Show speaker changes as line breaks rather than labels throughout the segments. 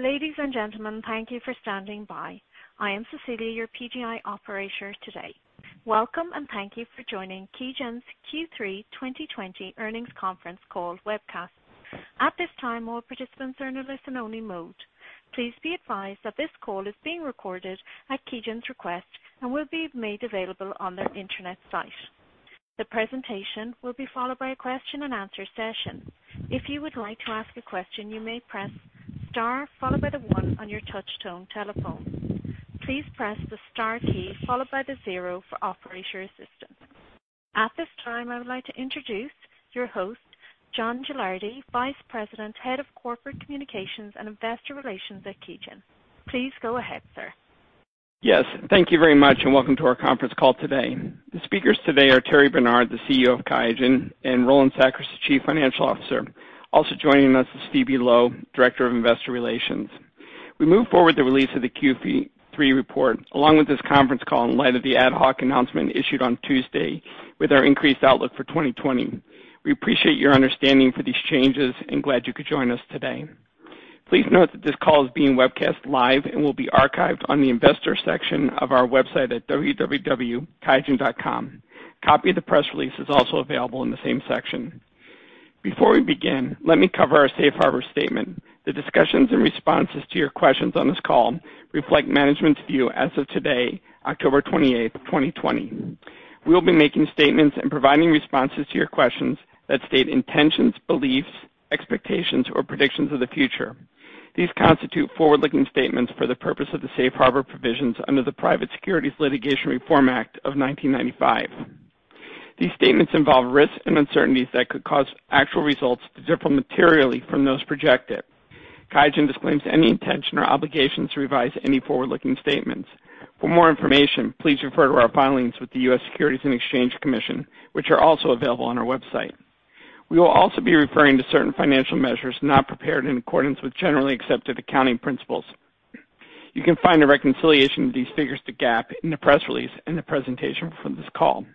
Ladies and gentlemen, thank you for standing by. I am Cecilia, your PGi operator today. Welcome and thank you for joining QIAGEN's Q3 2020 earnings conference call, webcast. At this time, all participants are in a listen-only mode. Please be advised that this call is being recorded at QIAGEN's request and will be made available on their intranet site. The presentation will be followed by a question and answer session. If you would like to ask a question, you may press star, followed by the one on your touch-tone telephone. Please press the star key, followed by the zero, for operator assistance. At this time, I would like to introduce your host, John Gilardi, Vice President, Head of Corporate Communications and Investor Relations at QIAGEN. Please go ahead, sir.
Yes. Thank you very much, and welcome to our conference call today. The speakers today are Thierry Bernard, the CEO of QIAGEN, and Roland Sackers, the Chief Financial Officer. Also joining us is Phoebe Loh, Director of Investor Relations. We move forward with the release of the Q3 report, along with this conference call, in light of the ad hoc announcement issued on Tuesday with our increased outlook for 2020. We appreciate your understanding for these changes and glad you could join us today. Please note that this call is being webcast live and will be archived on the investor section of our website at www.qiagen.com. A copy of the press release is also available in the same section. Before we begin, let me cover our Safe Harbor statement. The discussions and responses to your questions on this call reflect management's view as of today, October 28th, 2020. We will be making statements and providing responses to your questions that state intentions, beliefs, expectations, or predictions of the future. These constitute forward-looking statements for the purpose of the Safe Harbor provisions under the Private Securities Litigation Reform Act of 1995. These statements involve risks and uncertainties that could cause actual results to differ materially from those projected. QIAGEN disclaims any intention or obligations to revise any forward-looking statements. For more information, please refer to our filings with the U.S. Securities and Exchange Commission, which are also available on our website. We will also be referring to certain financial measures not prepared in accordance with generally accepted accounting principles. You can find a reconciliation of these figures to GAAP in the press release and the presentation for this call.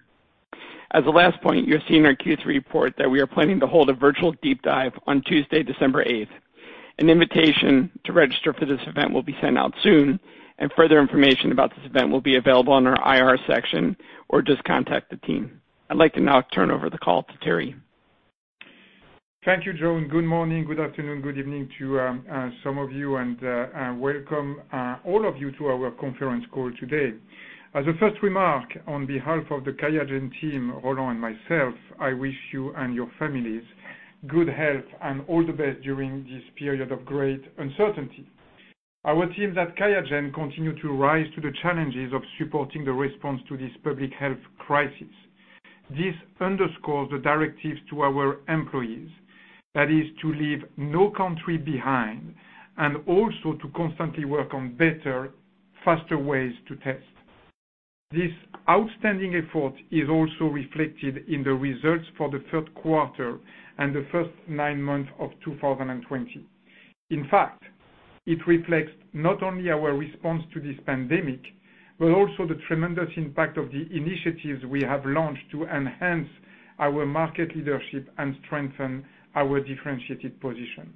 As a last point, you have seen our Q3 report that we are planning to hold a virtual deep dive on Tuesday, December 8th. An invitation to register for this event will be sent out soon, and further information about this event will be available on our IR section or just contact the team. I'd like to now turn over the call to Thierry.
Thank you, John. Good morning, good afternoon, good evening to some of you, and welcome all of you to our conference call today. As a first remark, on behalf of the QIAGEN team, Roland, and myself, I wish you and your families good health and all the best during this period of great uncertainty. Our team at QIAGEN continues to rise to the challenges of supporting the response to this public health crisis. This underscores the directives to our employees, that is, to leave no country behind and also to constantly work on better, faster ways to test. This outstanding effort is also reflected in the results for the third quarter and the first nine months of 2020. In fact, it reflects not only our response to this pandemic, but also the tremendous impact of the initiatives we have launched to enhance our market leadership and strengthen our differentiated position.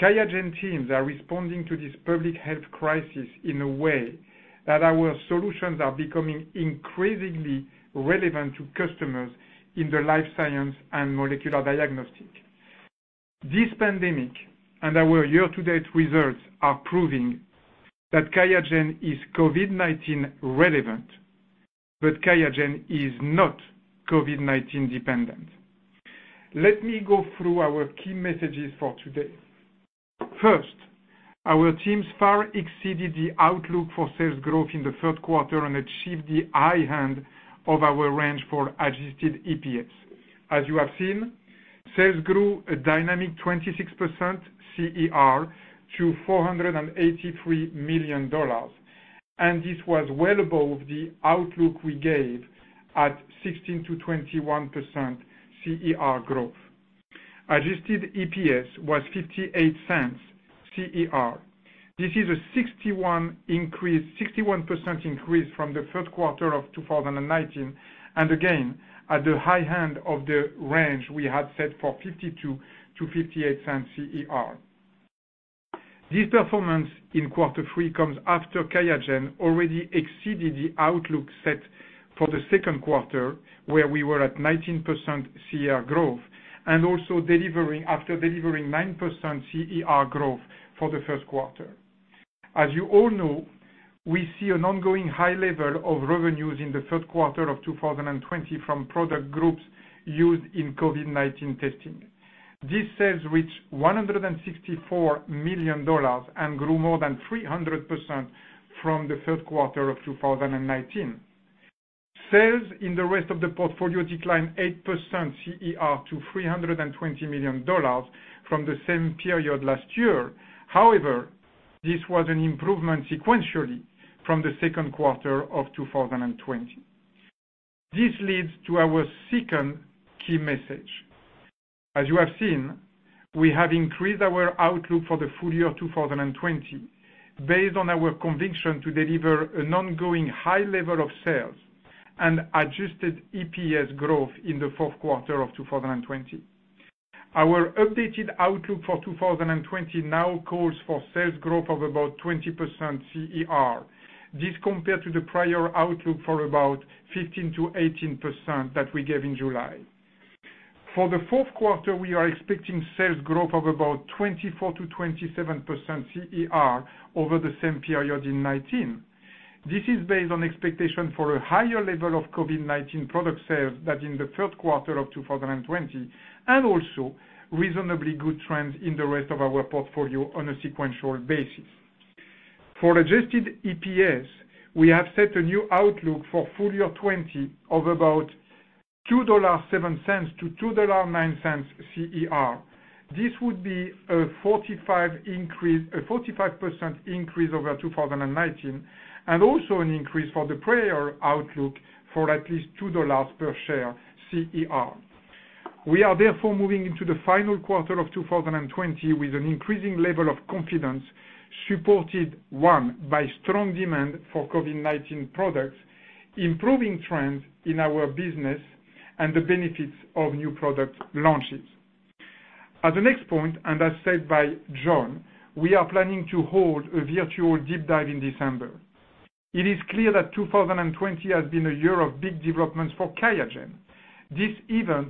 QIAGEN teams are responding to this public health crisis in a way that our solutions are becoming increasingly relevant to customers in the life sciences and molecular diagnostics. This pandemic and our year-to-date results are proving that QIAGEN is COVID-19 relevant, but QIAGEN is not COVID-19 dependent. Let me go through our key messages for today. First, our teams far exceeded the outlook for sales growth in the third quarter and achieved the high end of our range for adjusted EPS. As you have seen, sales grew a dynamic 26% CER to $483 million, and this was well above the outlook we gave at 16%-21% CER growth. Adjusted EPS was $0.58 CER. This is a 61% increase from the third quarter of 2019, and again, at the high end of the range we had set for $0.52 to $0.58 CER. This performance in quarter three comes after QIAGEN already exceeded the outlook set for the second quarter, where we were at 19% CER growth, and also after delivering 9% CER growth for the first quarter. As you all know, we see an ongoing high level of revenues in the third quarter of 2020 from product groups used in COVID-19 testing. This sales reached $164 million and grew more than 300% from the third quarter of 2019. Sales in the rest of the portfolio declined 8% CER to $320 million from the same period last year. However, this was an improvement sequentially from the second quarter of 2020. This leads to our second key message. As you have seen, we have increased our outlook for the full year 2020 based on our conviction to deliver an ongoing high level of sales and adjusted EPS growth in the fourth quarter of 2020. Our updated outlook for 2020 now calls for sales growth of about 20% CER. This compared to the prior outlook for about 15%-18% that we gave in July. For the fourth quarter, we are expecting sales growth of about 24%-27% CER over the same period in 2019. This is based on expectation for a higher level of COVID-19 product sales than in the third quarter of 2020, and also reasonably good trends in the rest of our portfolio on a sequential basis. For Adjusted EPS, we have set a new outlook for full year 2020 of about $2.07-$2.09 CER. This would be a 45% increase over 2019, and also an increase for the prior outlook for at least $2 per share CER. We are therefore moving into the final quarter of 2020 with an increasing level of confidence, supported by strong demand for COVID-19 products, improving trends in our business, and the benefits of new product launches. As the next point, and as said by John, we are planning to hold a virtual deep dive in December. It is clear that 2020 has been a year of big developments for QIAGEN. This event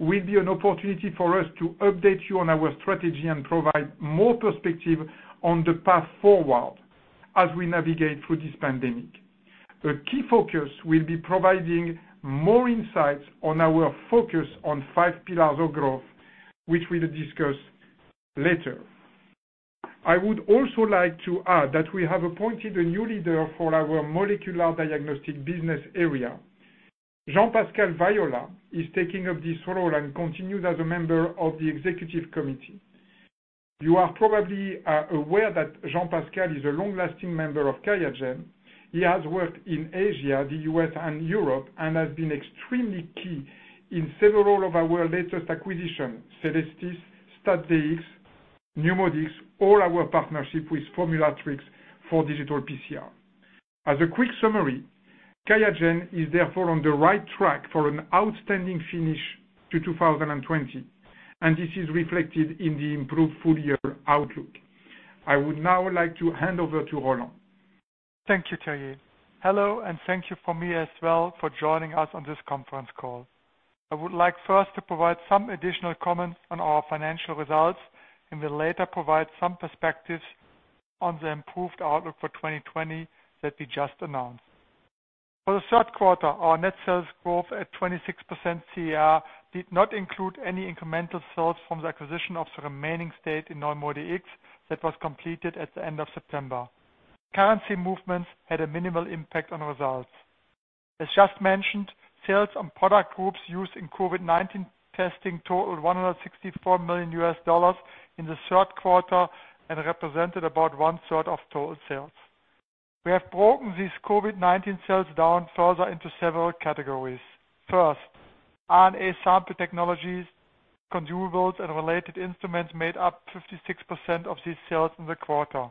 will be an opportunity for us to update you on our strategy and provide more perspective on the path forward as we navigate through this pandemic. A key focus will be providing more insights on our focus on five pillars of growth, which we will discuss later. I would also like to add that we have appointed a new leader for our molecular diagnostics business area. Jean-Pascal Viola is taking up this role and continues as a member of the executive committee. You are probably aware that Jean-Pascal is a long-lasting member of QIAGEN. He has worked in Asia, the U.S., and Europe, and has been extremely key in several of our latest acquisitions: Cellestis, STAT-Dx, NeuMoDx, all our partnership with Formulatrix for digital PCR. As a quick summary, QIAGEN is therefore on the right track for an outstanding finish to 2020, and this is reflected in the improved full year outlook. I would now like to hand over to Roland.
Thank you, Thierry. Hello, and thank you from me as well for joining us on this conference call. I would like first to provide some additional comments on our financial results and will later provide some perspectives on the improved outlook for 2020 that we just announced. For the third quarter, our net sales growth at 26% CER did not include any incremental sales from the acquisition of the remaining stake in NeuMoDx that was completed at the end of September. Currency movements had a minimal impact on results. As just mentioned, sales of product groups used in COVID-19 testing totaled $164 million in the third quarter and represented about one-third of total sales. We have broken these COVID-19 sales down further into several categories. First, RNA sample technologies, consumables, and related instruments made up 56% of these sales in the quarter.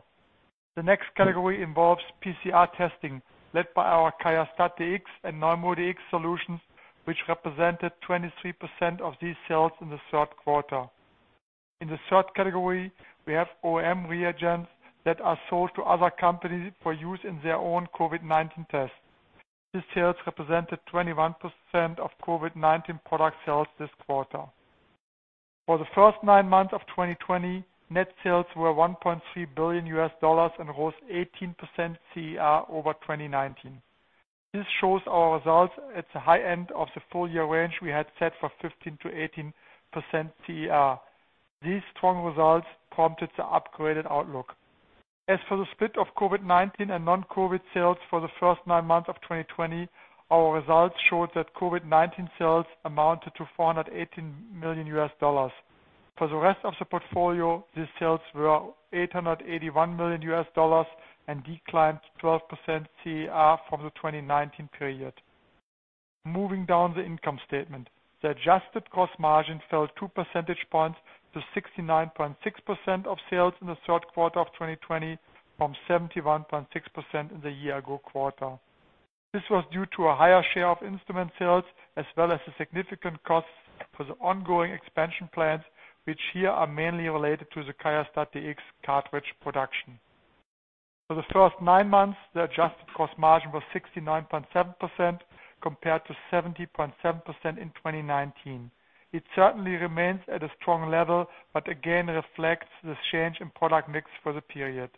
The next category involves PCR testing, led by our QIAstat-Dx and NeuMoDx solutions, which represented 23% of these sales in the third quarter. In the third category, we have OEM reagents that are sold to other companies for use in their own COVID-19 tests. These sales represented 21% of COVID-19 product sales this quarter. For the first nine months of 2020, net sales were $1.3 billion and rose 18% CER over 2019. This shows our results at the high end of the full year range we had set for 15%-18% CER. These strong results prompted an upgraded outlook. As for the split of COVID-19 and non-COVID sales for the first nine months of 2020, our results showed that COVID-19 sales amounted to $418 million. For the rest of the portfolio, these sales were $881 million and declined 12% CER from the 2019 period. Moving down the income statement, the adjusted gross margin fell 2 percentage points to 69.6% of sales in the third quarter of 2020 from 71.6% in the year-ago quarter. This was due to a higher share of instrument sales as well as the significant costs for the ongoing expansion plans, which here are mainly related to the QIAstat-Dx cartridge production. For the first nine months, the adjusted gross margin was 69.7% compared to 70.7% in 2019. It certainly remains at a strong level, but again reflects the change in product mix for the period.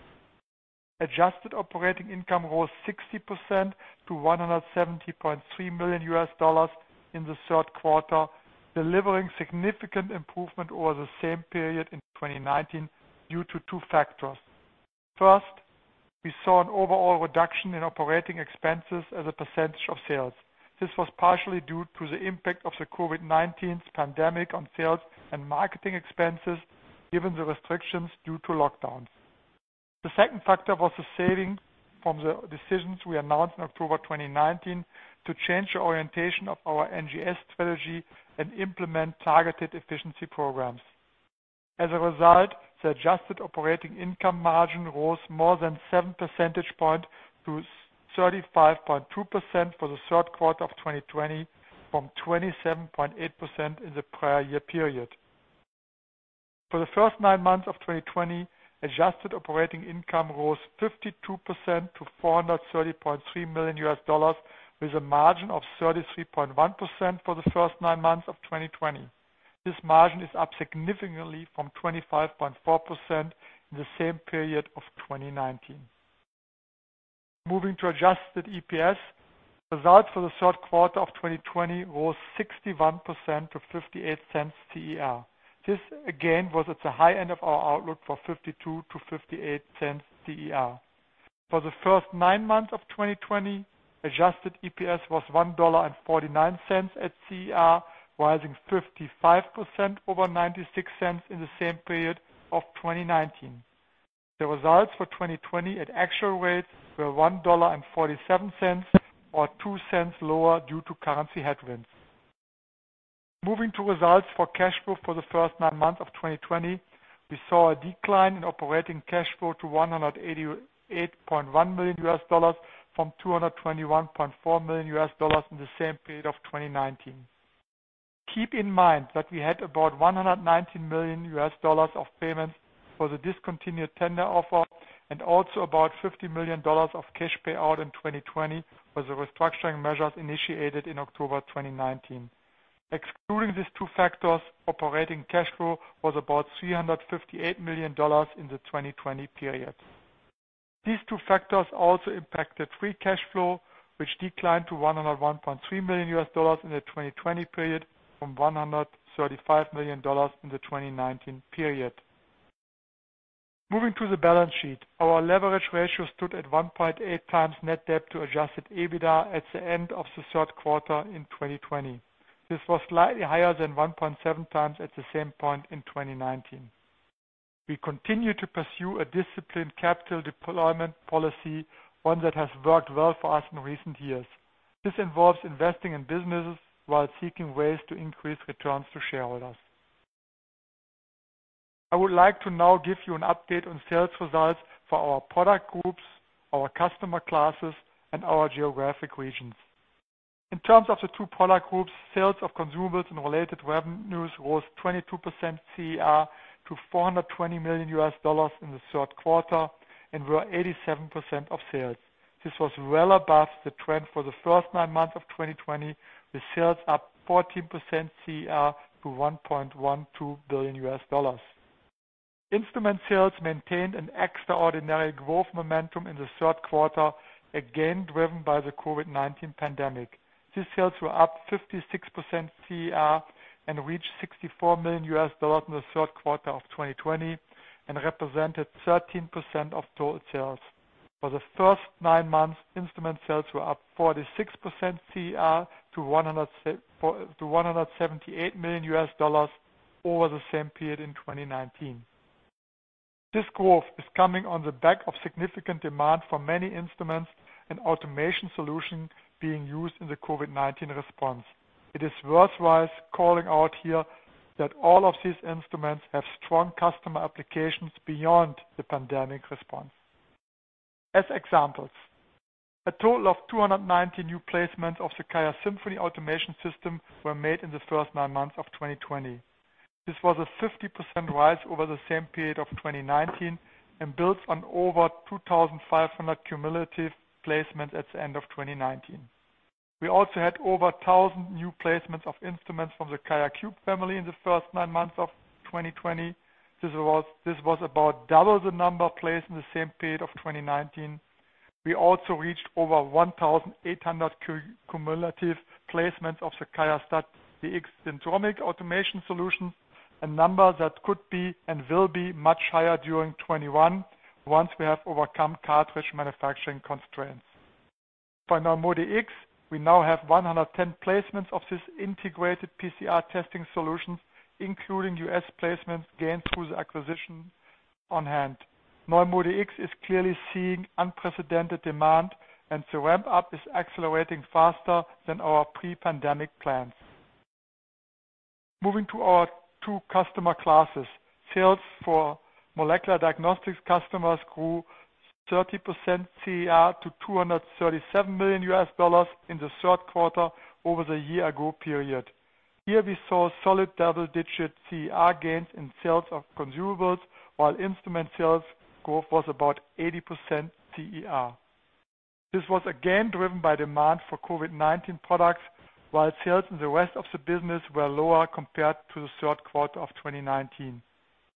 Adjusted operating income rose 60% to $170.3 million in the third quarter, delivering significant improvement over the same period in 2019 due to two factors. First, we saw an overall reduction in operating expenses as a percentage of sales. This was partially due to the impact of the COVID-19 pandemic on sales and marketing expenses given the restrictions due to lockdowns. The second factor was the saving from the decisions we announced in October 2019 to change the orientation of our NGS strategy and implement targeted efficiency programs. As a result, the adjusted operating income margin rose more than 7 percentage points to 35.2% for the third quarter of 2020 from 27.8% in the prior year period. For the first nine months of 2020, adjusted operating income rose 52% to $430.3 million with a margin of 33.1% for the first nine months of 2020. This margin is up significantly from 25.4% in the same period of 2019. Moving to adjusted EPS, results for the third quarter of 2020 rose 61% to $0.58 CER. This again was at the high end of our outlook for $0.52-$0.58 CER. For the first nine months of 2020, adjusted EPS was $1.49 at CER, rising 55% over 96 cents in the same period of 2019. The results for 2020 at actual rates were $1.47, or $0.2 lower due to currency headwinds. Moving to results for cash flow for the first nine months of 2020, we saw a decline in operating cash flow to $188.1 million from $221.4 million in the same period of 2019. Keep in mind that we had about $119 million of payments for the discontinued tender offer, and also about $50 million of cash payout in 2020 for the restructuring measures initiated in October 2019. Excluding these two factors, operating cash flow was about $358 million in the 2020 period. These two factors also impacted free cash flow, which declined to $101.3 million in the 2020 period from $135 million in the 2019 period. Moving to the balance sheet, our leverage ratio stood at 1.8x net debt to Adjusted EBITDA at the end of the third quarter in 2020. This was slightly higher than 1.7x at the same point in 2019. We continue to pursue a disciplined capital deployment policy, one that has worked well for us in recent years. This involves investing in businesses while seeking ways to increase returns to shareholders. I would like to now give you an update on sales results for our product groups, our customer classes, and our geographic regions. In terms of the two product groups, sales of consumables and related revenues rose 22% CER to $420 million in the third quarter and were 87% of sales. This was well above the trend for the first nine months of 2020, with sales up 14% CER to $1.12 billion. Instrument sales maintained an extraordinary growth momentum in the third quarter, again driven by the COVID-19 pandemic. These sales were up 56% CER and reached $64 million in the third quarter of 2020, and represented 13% of total sales. For the first nine months, instrument sales were up 46% CER to $178 million over the same period in 2019. This growth is coming on the back of significant demand for many instruments and automation solutions being used in the COVID-19 response. It is worthwhile calling out here that all of these instruments have strong customer applications beyond the pandemic response. As examples, a total of 290 new placements of the QIAsymphony automation system were made in the first nine months of 2020. This was a 50% rise over the same period of 2019 and builds on over 2,500 cumulative placements at the end of 2019. We also had over 1,000 new placements of instruments from the QIAcube family in the first nine months of 2020. This was about double the number placed in the same period of 2019. We also reached over 1,800 cumulative placements of the QIAstat-Dx syndromic automation solutions, a number that could be and will be much higher during 2021 once we have overcome cartridge manufacturing constraints. For NeuMoDx, we now have 110 placements of this integrated PCR testing solution, including U.S. placements gained through the acquisition on hand. NeuMoDx is clearly seeing unprecedented demand, and the ramp-up is accelerating faster than our pre-pandemic plans. Moving to our two customer classes, sales for molecular diagnostics customers grew 30% CER to $237 million in the third quarter over the year-ago period. Here, we saw solid double-digit CER gains in sales of consumables, while instrument sales growth was about 80% CER. This was again driven by demand for COVID-19 products, while sales in the rest of the business were lower compared to the third quarter of 2019.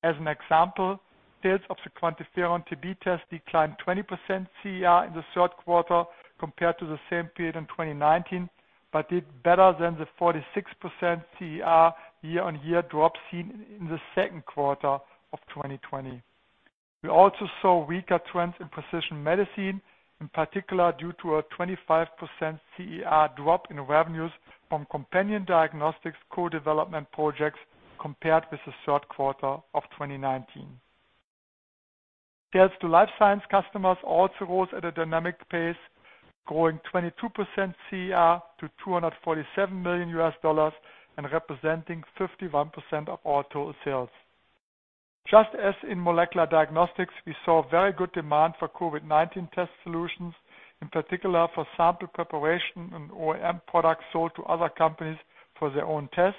As an example, sales of the QuantiFERON-TB test declined 20% CER in the third quarter compared to the same period in 2019, but did better than the 46% CER year-on-year drop seen in the second quarter of 2020. We also saw weaker trends in precision medicine, in particular due to a 25% CER drop in revenues from companion diagnostics co-development projects compared with the third quarter of 2019. Sales to life science customers also rose at a dynamic pace, growing 22% CER to $247 million and representing 51% of our total sales. Just as in molecular diagnostics, we saw very good demand for COVID-19 test solutions, in particular for sample preparation and OEM products sold to other companies for their own tests.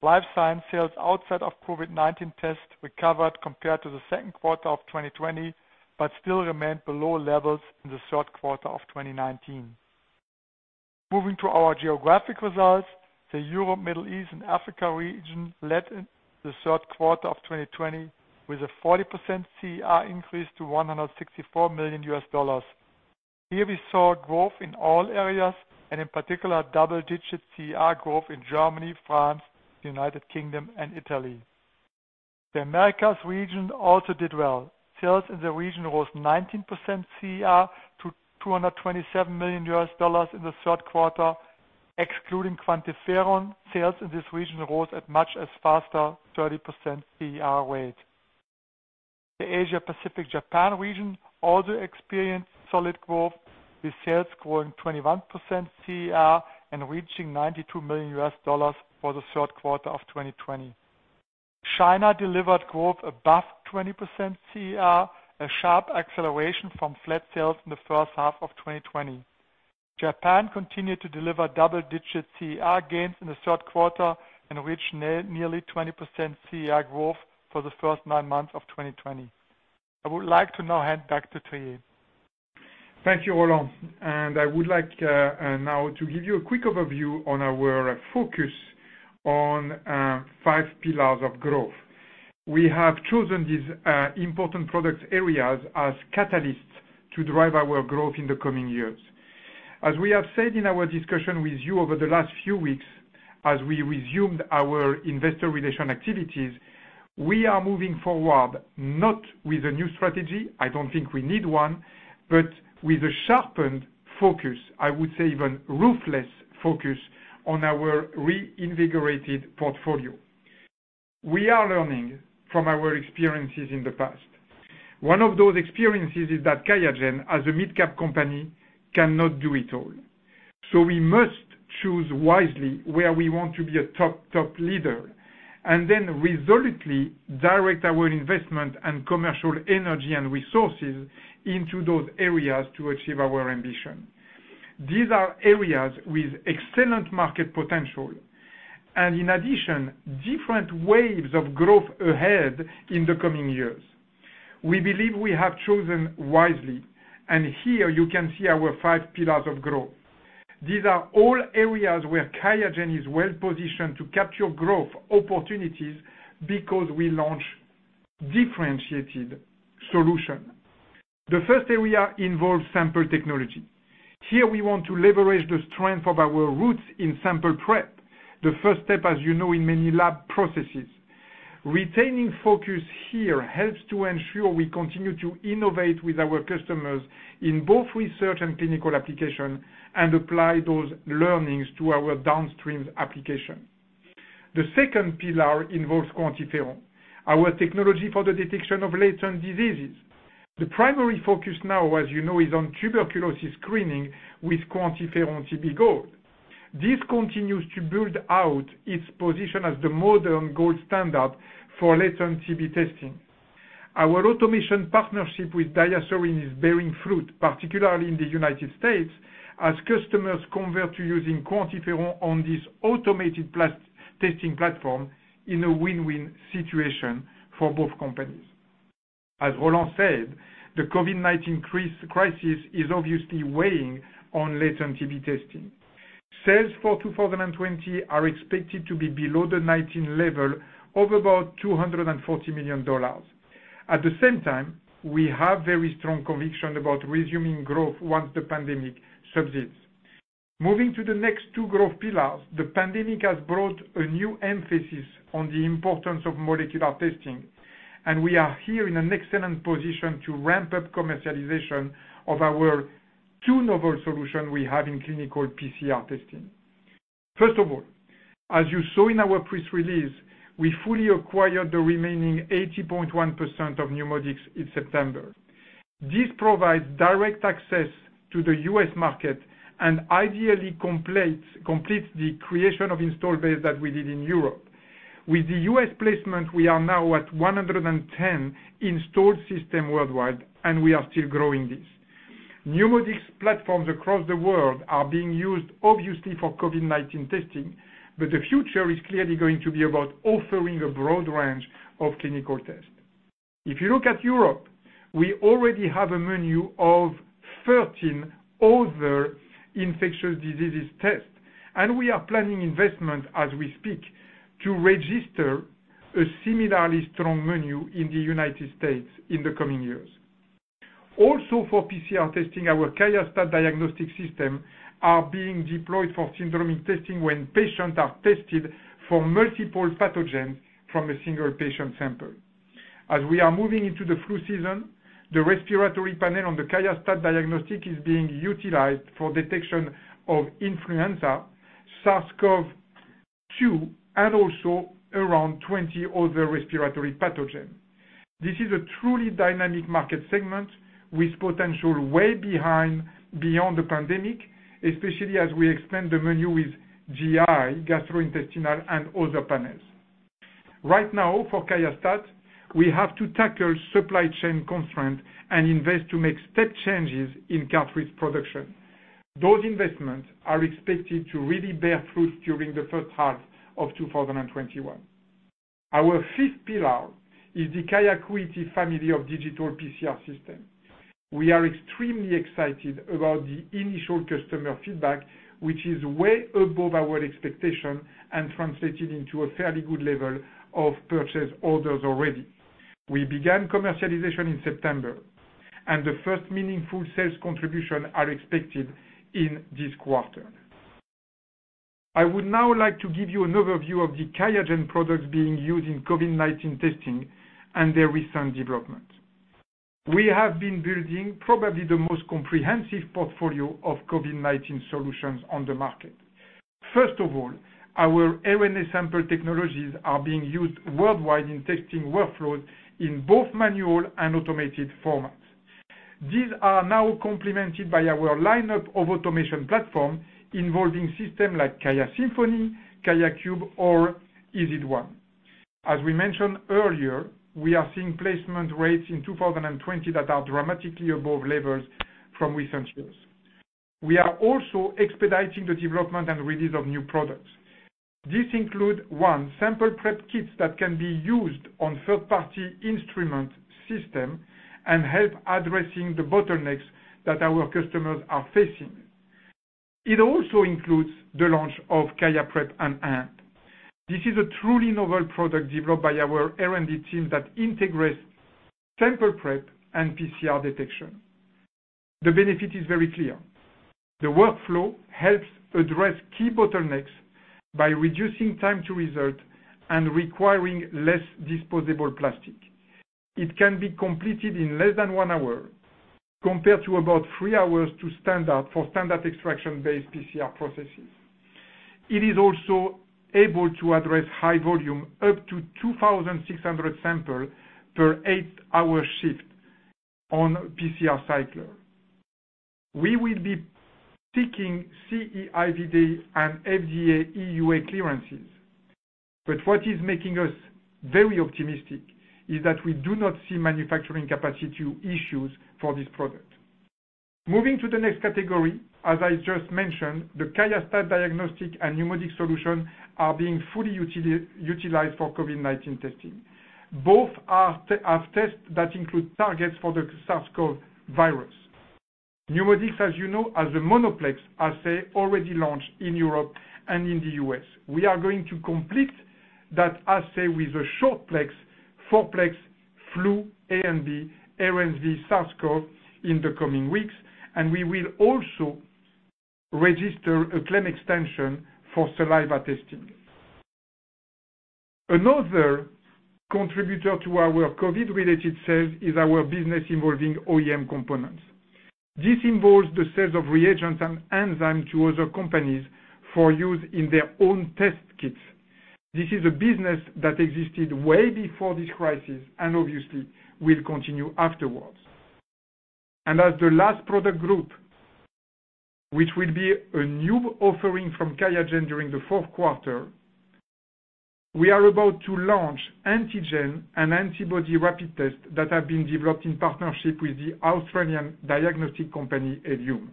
Life science sales outside of COVID-19 tests recovered compared to the second quarter of 2020, but still remained below levels in the third quarter of 2019. Moving to our geographic results, the Europe, Middle East, and Africa region led the third quarter of 2020 with a 40% CER increase to $164 million. Here, we saw growth in all areas and, in particular, double-digit CER growth in Germany, France, the United Kingdom, and Italy. The Americas region also did well. Sales in the region rose 19% CER to $227 million in the third quarter. Excluding QuantiFERON, sales in this region rose as much as faster, 30% CER rate. The Asia-Pacific-Japan region also experienced solid growth, with sales growing 21% CER and reaching $92 million for the third quarter of 2020. China delivered growth above 20% CER, a sharp acceleration from flat sales in the first half of 2020. Japan continued to deliver double-digit CER gains in the third quarter and reached nearly 20% CER growth for the first nine months of 2020. I would like to now hand back to Thierry.
Thank you, Roland, and I would like now to give you a quick overview on our focus on five pillars of growth. We have chosen these important product areas as catalysts to drive our growth in the coming years. As we have said in our discussion with you over the last few weeks, as we resumed our investor relation activities, we are moving forward not with a new strategy. I don't think we need one, but with a sharpened focus, I would say even ruthless focus, on our reinvigorated portfolio. We are learning from our experiences in the past. One of those experiences is that QIAGEN, as a mid-cap company, cannot do it all. So we must choose wisely where we want to be a top, top leader, and then resolutely direct our investment and commercial energy and resources into those areas to achieve our ambition. These are areas with excellent market potential and, in addition, different waves of growth ahead in the coming years. We believe we have chosen wisely, and here, you can see our five pillars of growth. These are all areas where QIAGEN is well positioned to capture growth opportunities because we launch differentiated solutions. The first area involves sample technology. Here, we want to leverage the strength of our roots in sample prep, the first step, as you know, in many lab processes. Retaining focus here helps to ensure we continue to innovate with our customers in both research and clinical application and apply those learnings to our downstream application. The second pillar involves QuantiFERON, our technology for the detection of latent diseases. The primary focus now, as you know, is on tuberculosis screening with QuantiFERON-TB Gold. This continues to build out its position as the modern gold standard for latent TB testing. Our automation partnership with DiaSorin is bearing fruit, particularly in the United States, as customers convert to using QuantiFERON on this automated testing platform in a win-win situation for both companies. As Roland said, the COVID-19 crisis is obviously weighing on latent TB testing. Sales for 2020 are expected to be below the 2019 level of about $240 million. At the same time, we have very strong conviction about resuming growth once the pandemic subsides. Moving to the next two growth pillars, the pandemic has brought a new emphasis on the importance of molecular testing, and we are here in an excellent position to ramp up commercialization of our two novel solutions we have in clinical PCR testing. First of all, as you saw in our press release, we fully acquired the remaining 80.1% of NeuMoDx in September. This provides direct access to the U.S. market and ideally completes the creation of installed base that we did in Europe. With the U.S. placement, we are now at 110 installed systems worldwide, and we are still growing this. NeuMoDx platforms across the world are being used, obviously, for COVID-19 testing, but the future is clearly going to be about offering a broad range of clinical tests. If you look at Europe, we already have a menu of 13 other infectious diseases tests, and we are planning investment as we speak to register a similarly strong menu in the United States in the coming years. Also, for PCR testing, our QIAstat-Dx diagnostic systems are being deployed for syndromic testing when patients are tested for multiple pathogens from a single patient sample. As we are moving into the flu season, the respiratory panel on the QIAstat-Dx diagnostic is being utilized for detection of influenza, SARS-CoV-2, and also around 20 other respiratory pathogens. This is a truly dynamic market segment with potential way beyond the pandemic, especially as we expand the menu with GI, gastrointestinal, and other panels. Right now, for QIAstat-Dx, we have to tackle supply chain constraints and invest to make step changes in cartridge production. Those investments are expected to really bear fruit during the first half of 2021. Our fifth pillar is the QIAcuity family of digital PCR systems. We are extremely excited about the initial customer feedback, which is way above our expectations and translated into a fairly good level of purchase orders already. We began commercialization in September, and the first meaningful sales contributions are expected in this quarter. I would now like to give you an overview of the QIAGEN products being used in COVID-19 testing and their recent development. We have been building probably the most comprehensive portfolio of COVID-19 solutions on the market. First of all, our RNA sample technologies are being used worldwide in testing workflows in both manual and automated formats. These are now complemented by our lineup of automation platforms involving systems like QIAsymphony, QIAcube, or EZ1. As we mentioned earlier, we are seeing placement rates in 2020 that are dramatically above levels from recent years. We are also expediting the development and release of new products. This includes sample prep kits that can be used on third-party instrument systems and help address the bottlenecks that our customers are facing. It also includes the launch of QIAprep&amp. This is a truly novel product developed by our R&D team that integrates sample prep and PCR detection. The benefit is very clear. The workflow helps address key bottlenecks by reducing time to result and requiring less disposable plastic. It can be completed in less than one hour compared to about three hours for standard extraction-based PCR processes. It is also able to address high volume, up to 2,600 samples per eight-hour shift on a PCR cycle. We will be seeking CE-IVD and FDA EUA clearances. But what is making us very optimistic is that we do not see manufacturing capacity issues for this product. Moving to the next category, as I just mentioned, the QIAstat-Dx diagnostic and NeuMoDx solutions are being fully utilized for COVID-19 testing. Both have tests that include targets for the SARS-CoV-2 virus. NeuMoDx, as you know, has a monoplex assay already launched in Europe and in the U.S. We are going to complete that assay with a shortplex, fourplex, Flu A and B, RSV, SARS-CoV in the coming weeks. And we will also register a claim extension for saliva testing. Another contributor to our COVID-related sales is our business involving OEM components. This involves the sales of reagents and enzymes to other companies for use in their own test kits. This is a business that existed way before this crisis and, obviously, will continue afterwards. And as the last product group, which will be a new offering from QIAGEN during the fourth quarter, we are about to launch antigen and antibody rapid tests that have been developed in partnership with the Australian diagnostic company Ellume.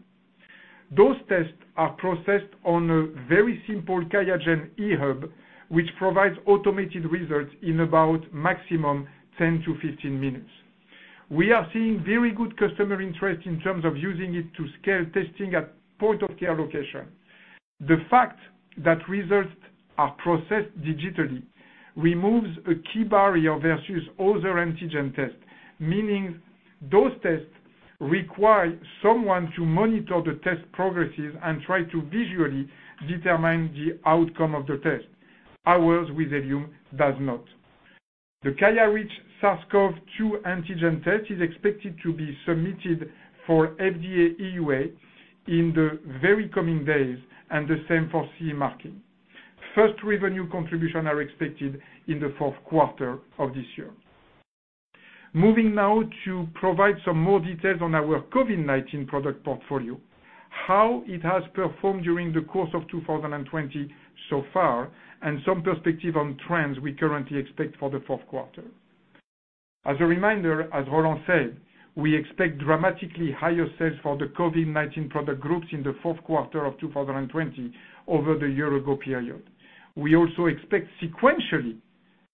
Those tests are processed on a very simple QIAGEN eHub, which provides automated results in about a maximum of 10-15 minutes. We are seeing very good customer interest in terms of using it to scale testing at point-of-care locations. The fact that results are processed digitally removes a key barrier versus other antigen tests, meaning those tests require someone to monitor the test progresses and try to visually determine the outcome of the test. Ours, with Ellume, does not. The QIAreach SARS-CoV-2 antigen test is expected to be submitted for FDA EUA in the very coming days and the same for CE marking. First revenue contributions are expected in the fourth quarter of this year. Moving now to provide some more details on our COVID-19 product portfolio, how it has performed during the course of 2020 so far, and some perspective on trends we currently expect for the fourth quarter. As a reminder, as Roland said, we expect dramatically higher sales for the COVID-19 product groups in the fourth quarter of 2020 over the year-ago period. We also expect sequentially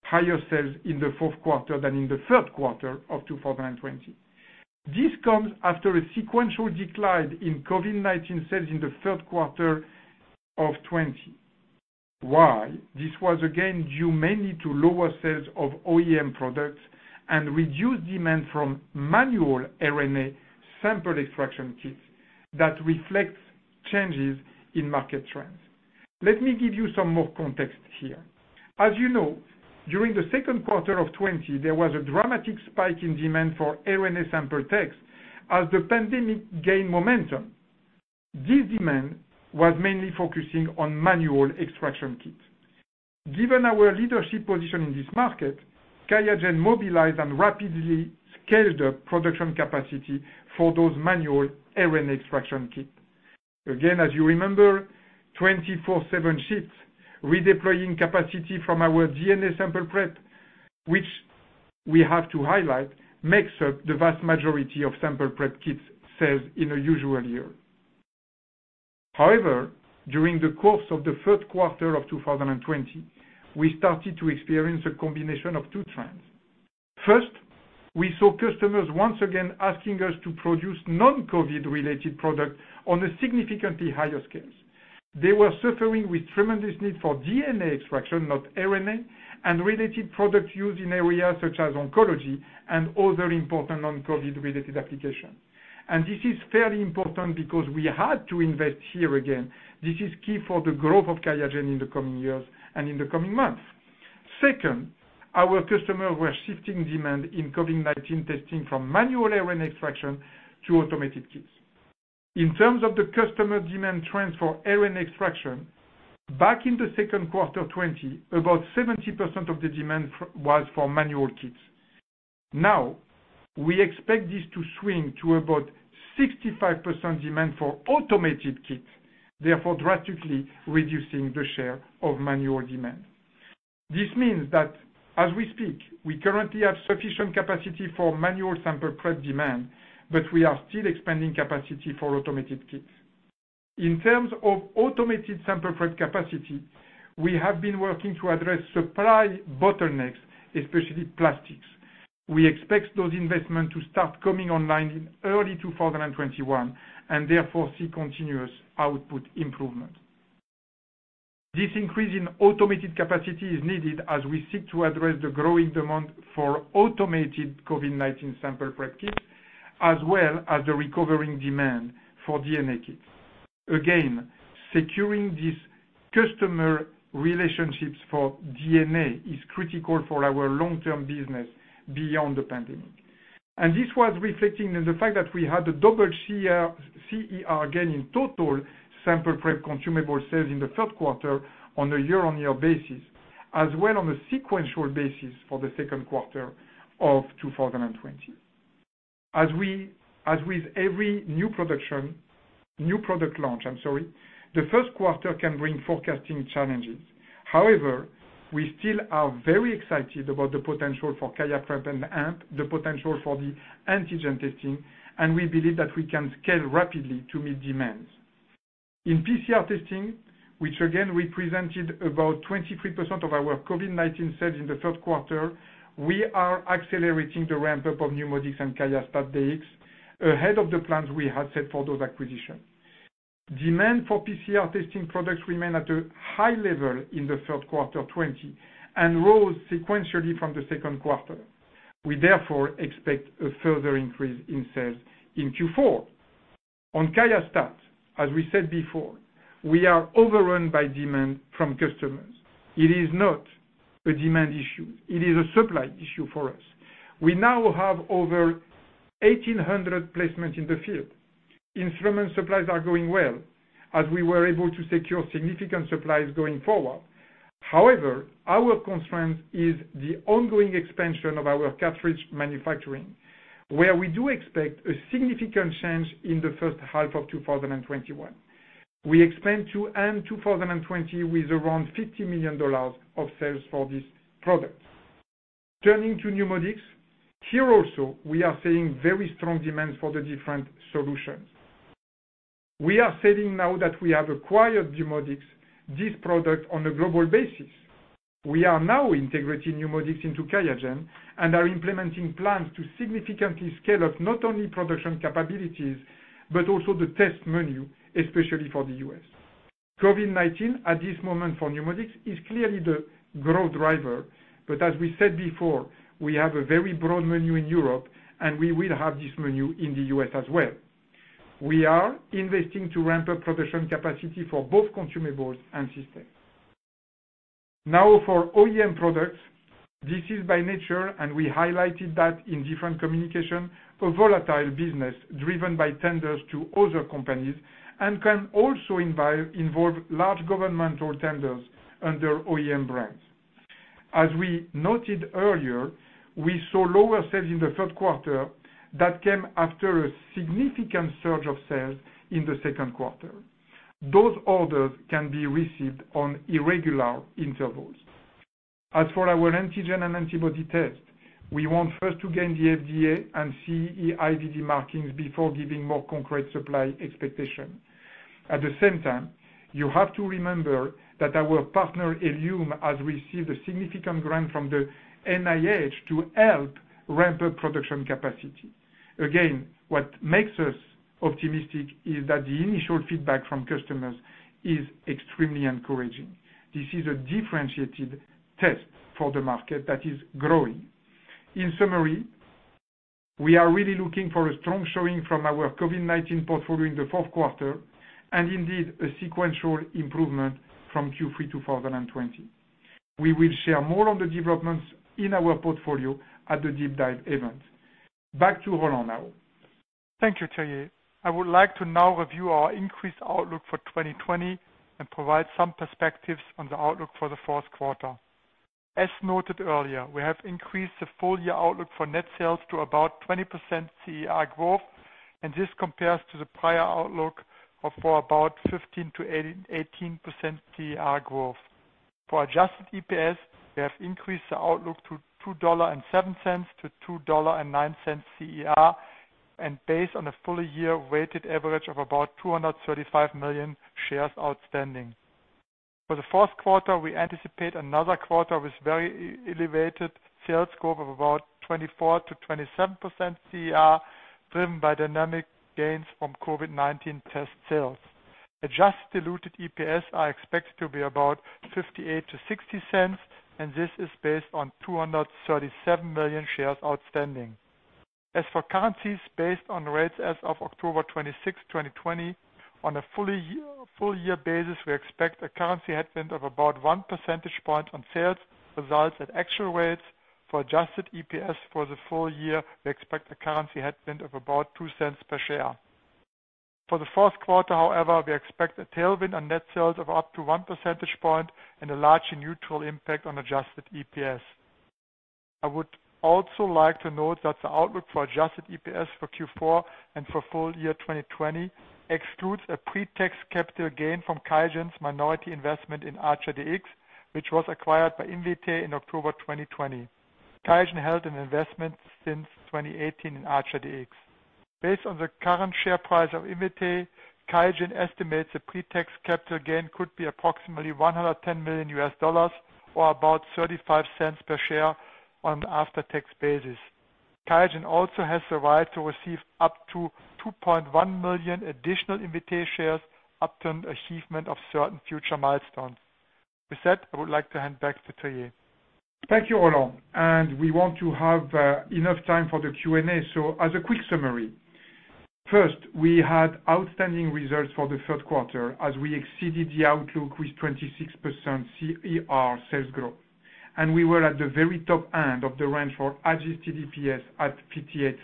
higher sales in the fourth quarter than in the third quarter of 2020. This comes after a sequential decline in COVID-19 sales in the third quarter of 2020. Why? This was, again, due mainly to lower sales of OEM products and reduced demand from manual RNA sample extraction kits that reflect changes in market trends. Let me give you some more context here. As you know, during the second quarter of 2020, there was a dramatic spike in demand for RNA sample tests as the pandemic gained momentum. This demand was mainly focusing on manual extraction kits. Given our leadership position in this market, QIAGEN mobilized and rapidly scaled up production capacity for those manual RNA extraction kits. Again, as you remember, 24/7 shifts, redeploying capacity from our DNA sample prep, which we have to highlight, makes up the vast majority of sample prep kits' sales in a usual year. However, during the course of the third quarter of 2020, we started to experience a combination of two trends. First, we saw customers once again asking us to produce non-COVID-related products on a significantly higher scale. They were suffering with tremendous need for DNA extraction, not RNA, and related products used in areas such as oncology and other important non-COVID-related applications. And this is fairly important because we had to invest here again. This is key for the growth of QIAGEN in the coming years and in the coming months. Second, our customers were shifting demand in COVID-19 testing from manual RNA extraction to automated kits. In terms of the customer demand trends for RNA extraction, back in the second quarter 2020, about 70% of the demand was for manual kits. Now, we expect this to swing to about 65% demand for automated kits, therefore drastically reducing the share of manual demand. This means that, as we speak, we currently have sufficient capacity for manual sample prep demand, but we are still expanding capacity for automated kits. In terms of automated sample prep capacity, we have been working to address supply bottlenecks, especially plastics. We expect those investments to start coming online in early 2021 and therefore see continuous output improvement. This increase in automated capacity is needed as we seek to address the growing demand for automated COVID-19 sample prep kits, as well as the recovering demand for DNA kits. Again, securing these customer relationships for DNA is critical for our long-term business beyond the pandemic, and this was reflecting in the fact that we had a double CER gain in total sample prep consumable sales in the third quarter on a year-on-year basis, as well on a sequential basis for the second quarter of 2020. As with every new product launch, I'm sorry, the first quarter can bring forecasting challenges. However, we still are very excited about the potential for QIAprep&amp, the potential for the antigen testing, and we believe that we can scale rapidly to meet demands. In PCR testing, which again represented about 23% of our COVID-19 sales in the third quarter 2020, we are accelerating the ramp-up of NeuMoDx and QIAstat-Dx ahead of the plans we had set for those acquisitions. Demand for PCR testing products remained at a high level in the third quarter 2020 and rose sequentially from the second quarter. We, therefore, expect a further increase in sales in Q4. On QIAstat-Dx, as we said before, we are overrun by demand from customers. It is not a demand issue. It is a supply issue for us. We now have over 1,800 placements in the field. Instrument supplies are going well, as we were able to secure significant supplies going forward. However, our constraint is the ongoing expansion of our cartridge manufacturing, where we do expect a significant change in the first half of 2021. We expand to end 2020 with around $50 million of sales for this product. Turning to NeuMoDx, here also, we are seeing very strong demands for the different solutions. We are seeing now that we have acquired NeuMoDx, this product on a global basis. We are now integrating NeuMoDx into QIAGEN and are implementing plans to significantly scale up not only production capabilities but also the test menu, especially for the U.S. COVID-19, at this moment for NeuMoDx, is clearly the growth driver. But as we said before, we have a very broad menu in Europe, and we will have this menu in the U.S. as well. We are investing to ramp up production capacity for both consumables and systems. Now, for OEM products, this is by nature, and we highlighted that in different communications, a volatile business driven by tenders to other companies and can also involve large governmental tenders under OEM brands. As we noted earlier, we saw lower sales in the third quarter that came after a significant surge of sales in the second quarter. Those orders can be received on irregular intervals. As for our antigen and antibody tests, we want first to gain the FDA and CE-IVD markings before giving more concrete supply expectations. At the same time, you have to remember that our partner Ellume has received a significant grant from the NIH to help ramp up production capacity. Again, what makes us optimistic is that the initial feedback from customers is extremely encouraging. This is a differentiated test for the market that is growing. In summary, we are really looking for a strong showing from our COVID-19 portfolio in the fourth quarter and, indeed, a sequential improvement from Q3 to 2020. We will share more on the developments in our portfolio at the deep dive event. Back to Roland now.
Thank you, Thierry. I would like to now review our increased outlook for 2020 and provide some perspectives on the outlook for the fourth quarter. As noted earlier, we have increased the full-year outlook for net sales to about 20% CER growth, and this compares to the prior outlook for about 15%-18% CER growth. For adjusted EPS, we have increased the outlook to $2.07-$2.09 CER and based on a full-year weighted average of about 235 million shares outstanding. For the fourth quarter, we anticipate another quarter with very elevated sales growth of about 24%-27% CER, driven by dynamic gains from COVID-19 test sales. Adjusted diluted EPS is expected to be about $0.58-$0.60, and this is based on 237 million shares outstanding. As for currencies, based on rates as of October 26, 2020, on a full-year basis, we expect a currency headwind of about one percentage point on sales. Results at actual rates. For adjusted EPS for the full year, we expect a currency headwind of about $0.02 per share. For the fourth quarter, however, we expect a tailwind on net sales of up to one percentage point and a largely neutral impact on adjusted EPS. I would also like to note that the outlook for adjusted EPS for Q4 and for full-year 2020 excludes a pre-tax capital gain from QIAGEN's minority investment in ArcherDX, which was acquired by Invitae in October 2020. QIAGEN held an investment since 2018 in ArcherDX. Based on the current share price of Invitae, QIAGEN estimates a pre-tax capital gain could be approximately $110 million or about $0.35 per share on an after-tax basis. QIAGEN also has the right to receive up to 2.1 million additional Invitae shares upon achievement of certain future milestones. With that, I would like to hand back to Thierry.
Thank you, Roland, and we want to have enough time for the Q&A so as a quick summary, first, we had outstanding results for the third quarter as we exceeded the outlook with 26% CER sales growth. We were at the very top end of the range for adjusted EPS at $0.58.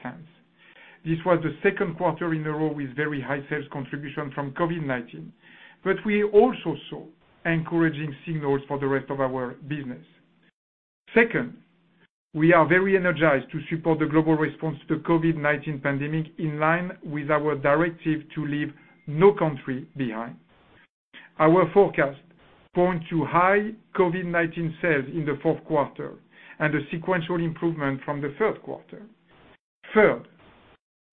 This was the second quarter in a row with very high sales contribution from COVID-19. But we also saw encouraging signals for the rest of our business. Second, we are very energized to support the global response to the COVID-19 pandemic in line with our directive to leave no country behind. Our forecast points to high COVID-19 sales in the fourth quarter and a sequential improvement from the third quarter. Third,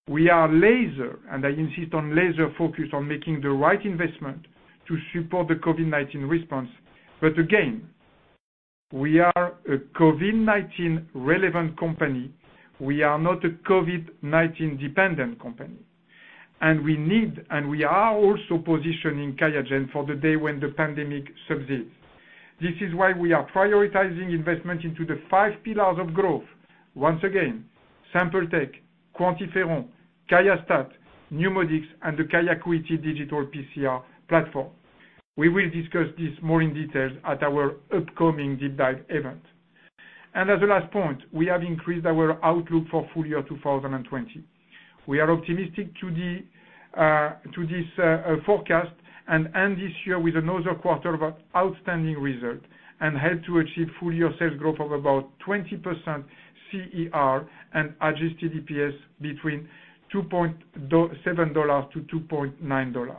we are laser, and I insist on laser focus on making the right investment to support the COVID-19 response. But again, we are a COVID-19 relevant company. We are not a COVID-19 dependent company. And we need and we are also positioning QIAGEN for the day when the pandemic subsides. This is why we are prioritizing investment into the five pillars of growth. Once again, Sample Technologies, QuantiFERON, QIAstat-Dx, NeuMoDx, and the QIAcuity digital PCR platform. We will discuss this more in detail at our upcoming Deep Dive event, and as a last point, we have increased our outlook for full-year 2020. We are optimistic to this forecast and end this year with another quarter of outstanding results and help to achieve full-year sales growth of about 20% CER and adjusted EPS between $2.07-$2.09.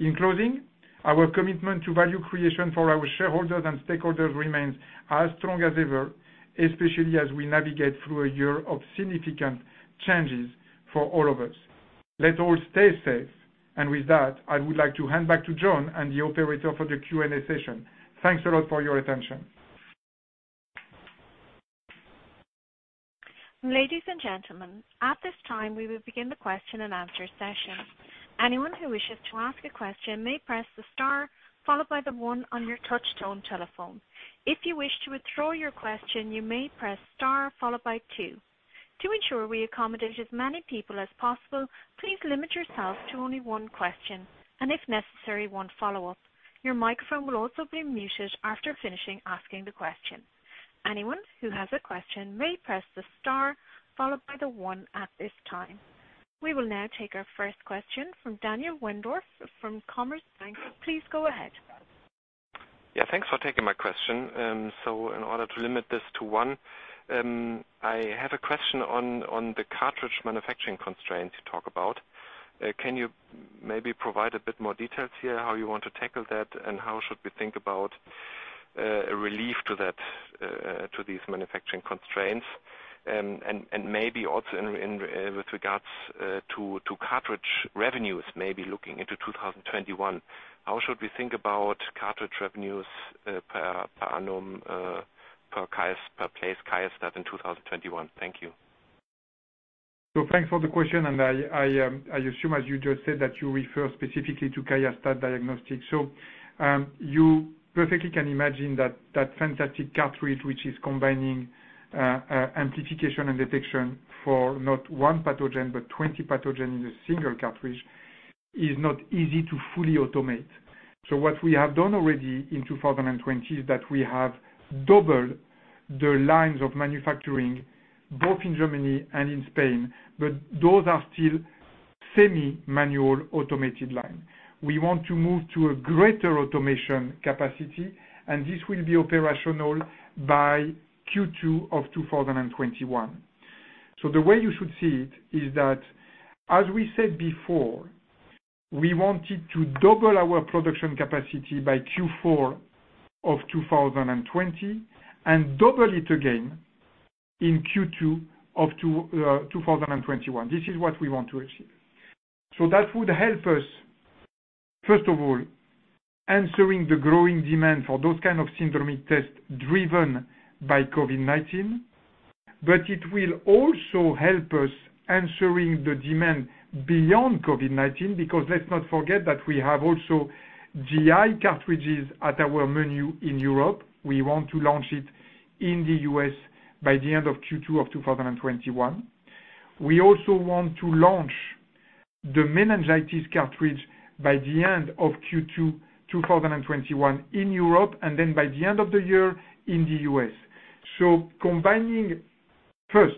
In closing, our commitment to value creation for our shareholders and stakeholders remains as strong as ever, especially as we navigate through a year of significant changes for all of us. Let's all stay safe, and with that, I would like to hand back to John and the operator for the Q&A session. Thanks a lot for your attention.
Ladies and gentlemen, at this time, we will begin the question and answer session. Anyone who wishes to ask a question may press the star followed by the one on your touch-tone telephone. If you wish to withdraw your question, you may press star followed by two. To ensure we accommodate as many people as possible, please limit yourself to only one question and, if necessary, one follow-up. Your microphone will also be muted after finishing asking the question. Anyone who has a question may press the star followed by the one at this time. We will now take our first question from Daniel Wendorff from Commerzbank. Please go ahead.
Yeah. Thanks for taking my question. So in order to limit this to one, I have a question on the cartridge manufacturing constraints you talk about. Can you maybe provide a bit more details here, how you want to tackle that, and how should we think about a relief to these manufacturing constraints and maybe also with regards to cartridge revenues, maybe looking into 2021? How should we think about cartridge revenues per annum, per place, QIAstat-Dx in 2021? Thank you.
So thanks for the question. And I assume, as you just said, that you refer specifically to QIAstat-Dx. So you perfectly can imagine that fantastic cartridge, which is combining amplification and detection for not one pathogen but 20 pathogens in a single cartridge, is not easy to fully automate. So what we have done already in 2020 is that we have doubled the lines of manufacturing both in Germany and in Spain, but those are still semi-manual automated lines. We want to move to a greater automation capacity, and this will be operational by Q2 of 2021. So the way you should see it is that, as we said before, we wanted to double our production capacity by Q4 of 2020 and double it again in Q2 of 2021. This is what we want to achieve. So that would help us, first of all, answering the growing demand for those kinds of syndromic tests driven by COVID-19. But it will also help us answering the demand beyond COVID-19 because let's not forget that we have also GI cartridges at our menu in Europe. We want to launch it in the U.S. by the end of Q2 of 2021. We also want to launch the meningitis cartridge by the end of Q2 2021 in Europe and then by the end of the year in the U.S. So combining, first,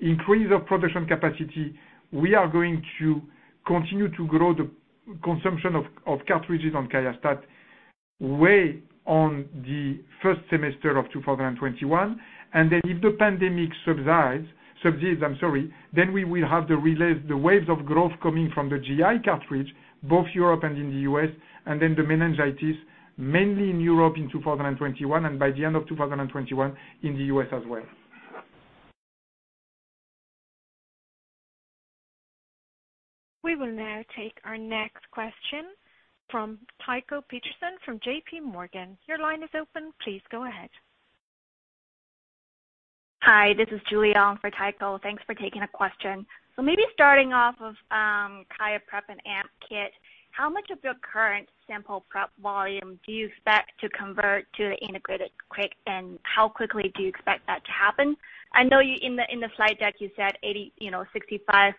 increase of production capacity, we are going to continue to grow the consumption of cartridges on QIAstat-Dx way on the first semester of 2021. And then if the pandemic subsides, I'm sorry, then we will have the waves of growth coming from the GI cartridge, both Europe and in the U.S., and then the meningitis, mainly in Europe in 2021 and by the end of 2021 in the U.S. as well.
We will now take our next question from Tycho Peterson from JPMorgan. Your line is open. Please go ahead.
Hi. This is Julia Young for Tycho. Thanks for taking a question. So maybe starting off with QIAprep and AMP Kit, how much of your current sample prep volume do you expect to convert to the integrated QIAcube, and how quickly do you expect that to happen? I know in the slide deck you said 65%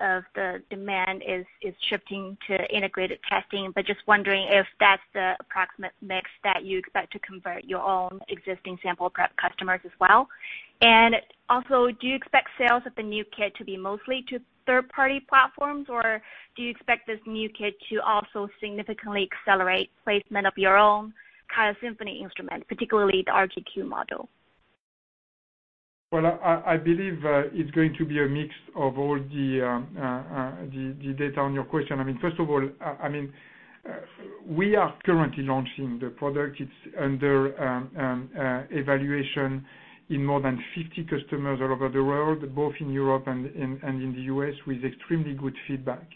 of the demand is shifting to integrated testing, but just wondering if that's the approximate mix that you expect to convert your own existing sample prep customers as well. And also, do you expect sales of the new kit to be mostly to third-party platforms, or do you expect this new kit to also significantly accelerate placement of your own QIAsymphony instrument, particularly the RGQ model?
I believe it's going to be a mix of all the data on your question. I mean, first of all, I mean, we are currently launching the product. It's under evaluation in more than 50 customers all over the world, both in Europe and in the U.S., with extremely good feedback.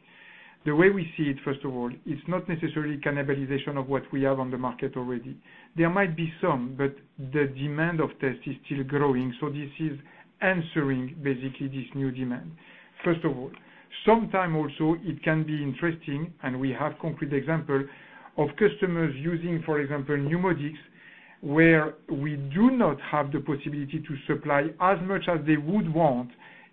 The way we see it, first of all, it's not necessarily cannibalization of what we have on the market already. There might be some, but the demand of tests is still growing. So this is answering basically this new demand. First of all, sometime also, it can be interesting, and we have concrete examples of customers using, for example, NeuMoDx, where we do not have the possibility to supply as much as they would want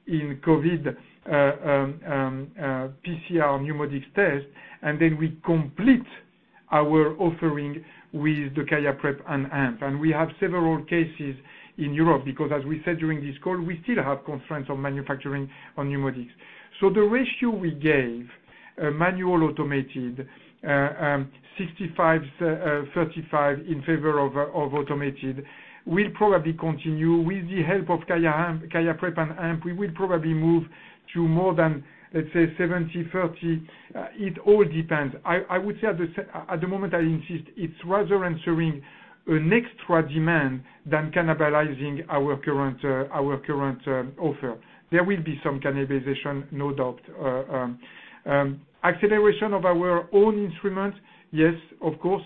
in COVID PCR NeuMoDx tests, and then we complete our offering with the QIAprep and AMP. And we have several cases in Europe because, as we said during this call, we still have constraints on manufacturing on NeuMoDx. So the ratio we gave, manual automated, 65/35 in favor of automated, will probably continue with the help of QIAprep and AMP. We will probably move to more than, let's say, 70/30. It all depends. I would say at the moment, I insist, it's rather answering an extra demand than cannibalizing our current offer. There will be some cannibalization, no doubt. Acceleration of our own instruments, yes, of course,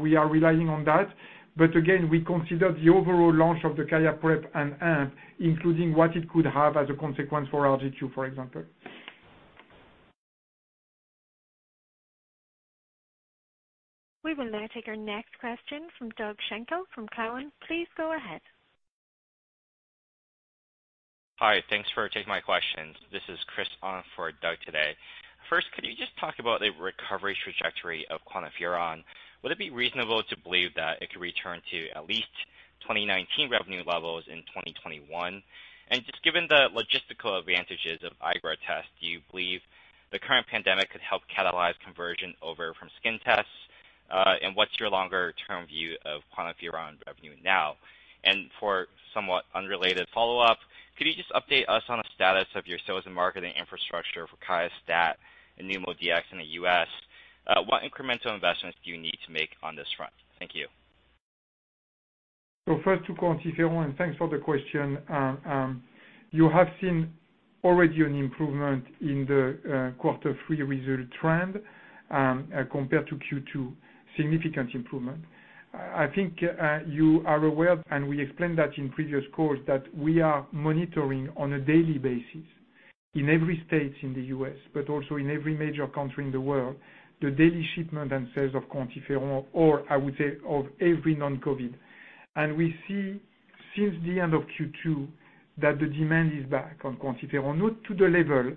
we are relying on that. But again, we consider the overall launch of the QIAprep and AMP, including what it could have as a consequence for RGQ, for example.
We will now take our next question from Doug Schenkel from Cowen. Please go ahead. Hi.
Thanks for taking my questions. This is Chris Arnold for Doug today. First, could you just talk about the recovery trajectory of QuantiFERON? Would it be reasonable to believe that it could return to at least 2019 revenue levels in 2021? And just given the logistical advantages of IGRA tests, do you believe the current pandemic could help catalyze conversion over from skin tests? And what's your longer-term view of QuantiFERON revenue now? And for somewhat unrelated follow-up, could you just update us on the status of your sales and marketing infrastructure for QIAstat and NeuMoDx in the US? What incremental investments do you need to make on this front? Thank you.
So first, to QuantiFERON, and thanks for the question. You have seen already an improvement in the quarter three result trend compared to Q2, significant improvement. I think you are aware, and we explained that in previous calls, that we are monitoring on a daily basis in every state in the U.S., but also in every major country in the world, the daily shipment and sales of QuantiFERON, or I would say of every non-COVID. We see since the end of Q2 that the demand is back on QuantiFERON, not to the level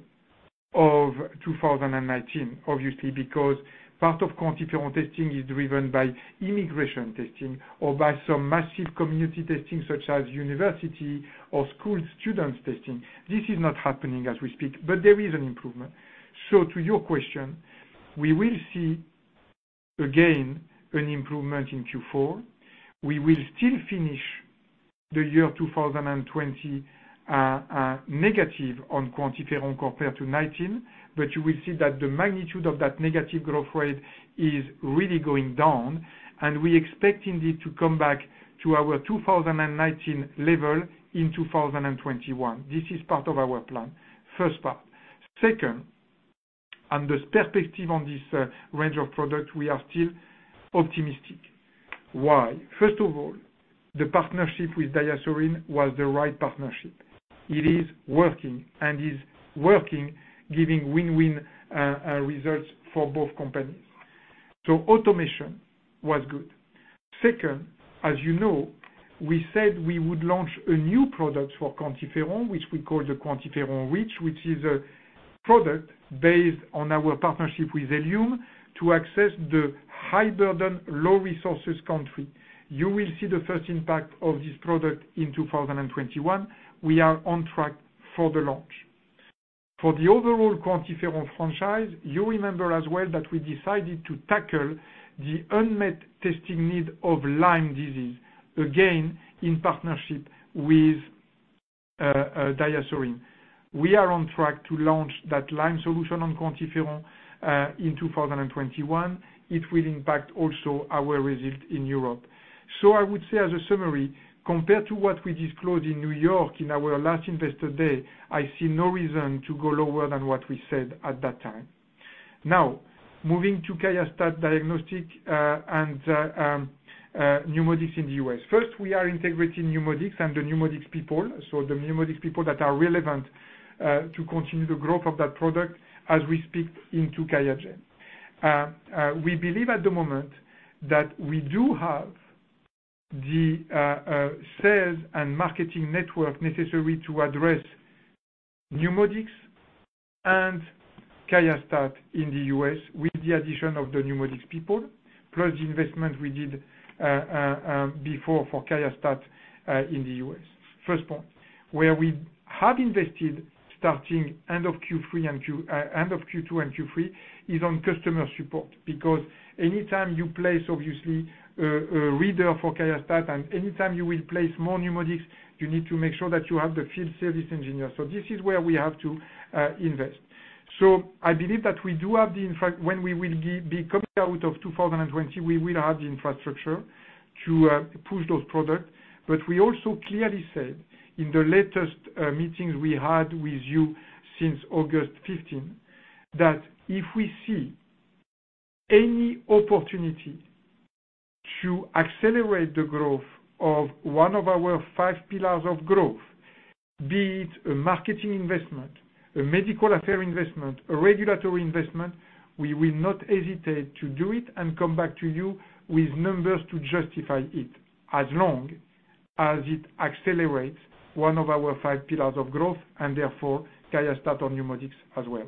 of 2019, obviously, because part of QuantiFERON testing is driven by immigration testing or by some massive community testing such as university or school students testing. This is not happening as we speak, but there is an improvement. To your question, we will see again an improvement in Q4. We will still finish the year 2020 negative on QuantiFERON compared to 2019, but you will see that the magnitude of that negative growth rate is really going down, and we expect indeed to come back to our 2019 level in 2021. This is part of our plan, first part. Second, on the perspective on this range of product, we are still optimistic. Why? First of all, the partnership with DiaSorin was the right partnership. It is working, giving win-win results for both companies, so automation was good. Second, as you know, we said we would launch a new product for QuantiFERON, which we call the QuantiFERON-Reach, which is a product based on our partnership with Ellume to access the high-burden, low-resources country. You will see the first impact of this product in 2021. We are on track for the launch. For the overall QuantiFERON franchise, you remember as well that we decided to tackle the unmet testing need of Lyme disease, again, in partnership with DiaSorin. We are on track to launch that Lyme solution on QuantiFERON in 2021. It will impact also our result in Europe. So I would say, as a summary, compared to what we disclosed in New York in our last investor day, I see no reason to go lower than what we said at that time. Now, moving to QIAstat-Dx and NeuMoDx in the U.S. First, we are integrating NeuMoDx and the NeuMoDx people, so the NeuMoDx people that are relevant to continue the growth of that product as we speak into QIAGEN. We believe at the moment that we do have the sales and marketing network necessary to address NeuMoDx and QIAstat-Dx in the U.S. with the addition of the NeuMoDx people, plus the investment we did before for QIAstat-Dx in the U.S. First point, where we have invested starting end of Q2 and Q3 is on customer support because anytime you place, obviously, a reader for QIAstat-Dx, and anytime you will place more NeuMoDx, you need to make sure that you have the field service engineers. So this is where we have to invest. So I believe that we do have the infra when we will be coming out of 2020, we will have the infrastructure to push those products. But we also clearly said in the latest meetings we had with you since August 15th that if we see any opportunity to accelerate the growth of one of our five pillars of growth, be it a marketing investment, a Medical Affairs investment, a regulatory investment, we will not hesitate to do it and come back to you with numbers to justify it as long as it accelerates one of our five pillars of growth and therefore QIAstat-Dx or NeuMoDx as well.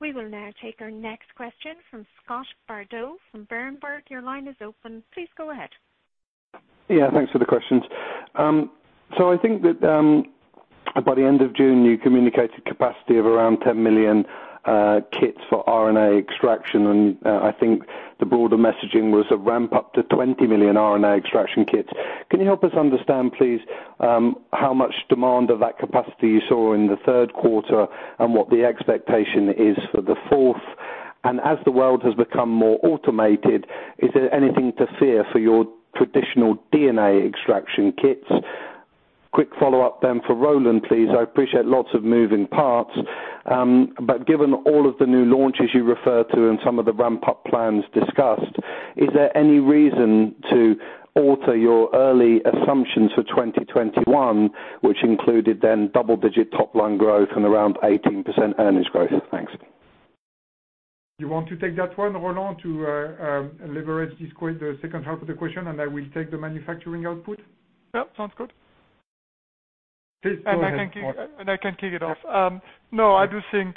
We will now take our next question from Scott Bardo from Berenberg. Your line is open. Please go ahead.
Yeah. Thanks for the questions. So I think that by the end of June, you communicated capacity of around 10 million kits for RNA extraction, and I think the broader messaging was a ramp up to 20 million RNA extraction kits. Can you help us understand, please, how much demand of that capacity you saw in the third quarter and what the expectation is for the fourth? And as the world has become more automated, is there anything to fear for your traditional DNA extraction kits? Quick follow-up then for Roland, please. I appreciate lots of moving parts. But given all of the new launches you refer to and some of the ramp-up plans discussed, is there any reason to alter your early assumptions for 2021, which included then double-digit top-line growth and around 18% earnings growth? Thanks.
You want to take that one, Roland, to address the second half of the question, and I will take the manufacturing output?
Yeah. Sounds good.
Please go ahead.
And I can kick it off. No, I do think.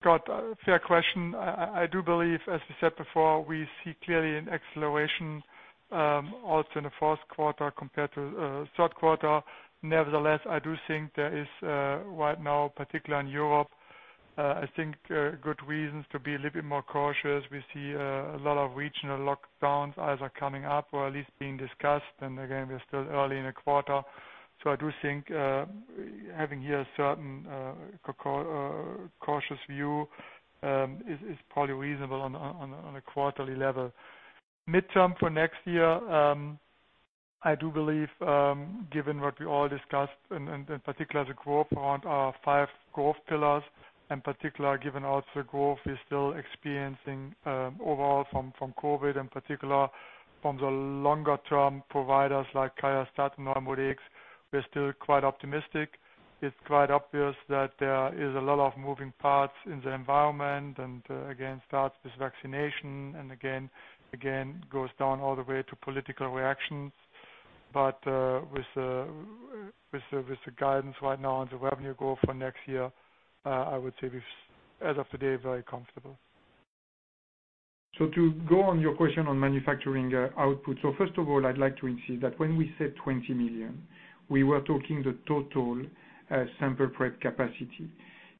Good, fair question. I do believe, as we said before, we see clearly an acceleration also in the fourth quarter compared to third quarter. Nevertheless, I do think there is right now, particularly in Europe, I think good reasons to be a little bit more cautious. We see a lot of regional lockdowns either coming up or at least being discussed, and again, we're still early in the quarter. So I do think having here a certain cautious view is probably reasonable on a quarterly level. Midterm for next year, I do believe, given what we all discussed, and in particular, the growth around our five growth pillars, in particular, given also the growth we're still experiencing overall from COVID, in particular, from the longer-term providers like QIAstat and NeuMoDx, we're still quite optimistic. It's quite obvious that there is a lot of moving parts in the environment, and again, starts with vaccination and again, goes down all the way to political reactions. But with the guidance right now and the revenue growth for next year, I would say we've, as of today, very comfortable.
So to go on your question on manufacturing output, so first of all, I'd like to insist that when we said 20 million, we were talking the total sample prep capacity.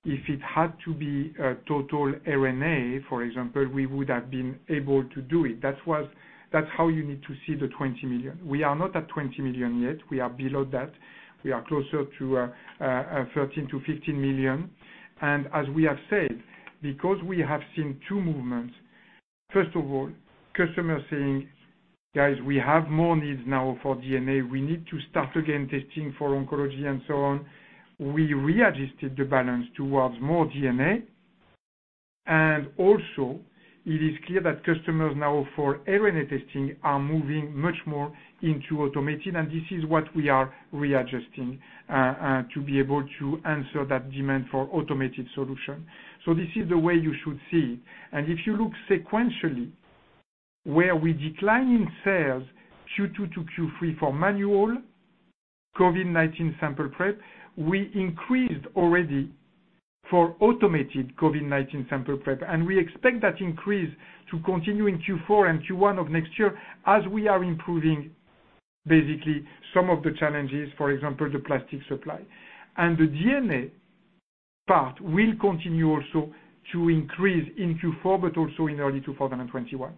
If it had to be total RNA, for example, we would have been able to do it. That's how you need to see the 20 million. We are not at 20 million yet. We are below that. We are closer to 13 million-15 million. And as we have said, because we have seen two movements, first of all, customers saying, "Guys, we have more needs now for DNA. We need to start again testing for oncology and so on," we readjusted the balance towards more DNA. And also, it is clear that customers now for RNA testing are moving much more into automated, and this is what we are readjusting to be able to answer that demand for automated solution. So this is the way you should see it. And if you look sequentially, where we decline in sales Q2 to Q3 for manual COVID-19 sample prep, we increased already for automated COVID-19 sample prep, and we expect that increase to continue in Q4 and Q1 of next year as we are improving basically some of the challenges, for example, the plastic supply. And the DNA part will continue also to increase in Q4, but also in early 2021.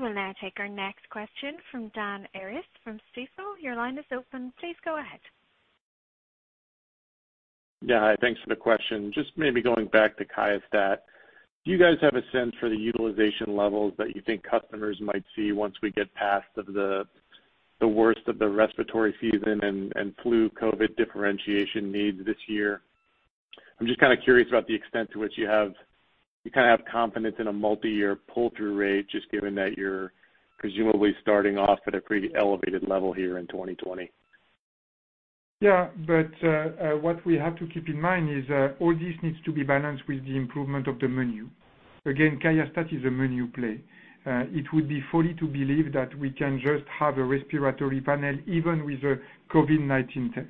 We will now take our next question from Dan Arias from Stifel. Your line is open. Please go ahead.
Yeah. Thanks for the question. Just maybe going back to QIAstat, do you guys have a sense for the utilization levels that you think customers might see once we get past the worst of the respiratory season and flu/COVID differentiation needs this year? I'm just kind of curious about the extent to which you kind of have confidence in a multi-year pull-through rate, just given that you're presumably starting off at a pretty elevated level here in 2020.
Yeah. But what we have to keep in mind is all this needs to be balanced with the improvement of the menu. Again, QIAstat is a menu play. It would be folly to believe that we can just have a respiratory panel even with a COVID-19 test.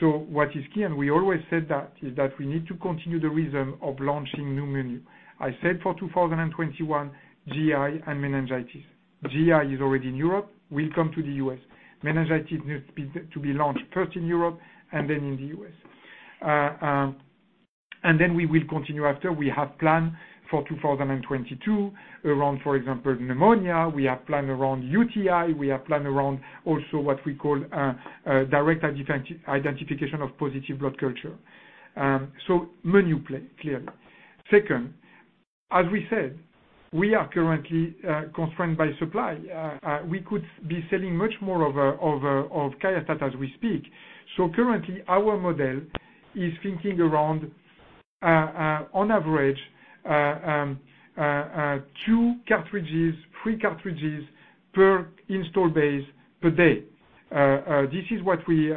So what is key, and we always said that, is that we need to continue the rhythm of launching new menu. I said for 2021, GI and meningitis. GI is already in Europe. We'll come to the U.S. Meningitis needs to be launched first in Europe and then in the U.S., and then we will continue after. We have planned for 2022 around, for example, pneumonia. We have planned around UTI. We have planned around also what we call direct identification of positive blood culture, so menu play, clearly. Second, as we said, we are currently constrained by supply. We could be selling much more of QIAstat as we speak, so currently, our model is thinking around, on average, two cartridges, three cartridges per installed base per day. This is what we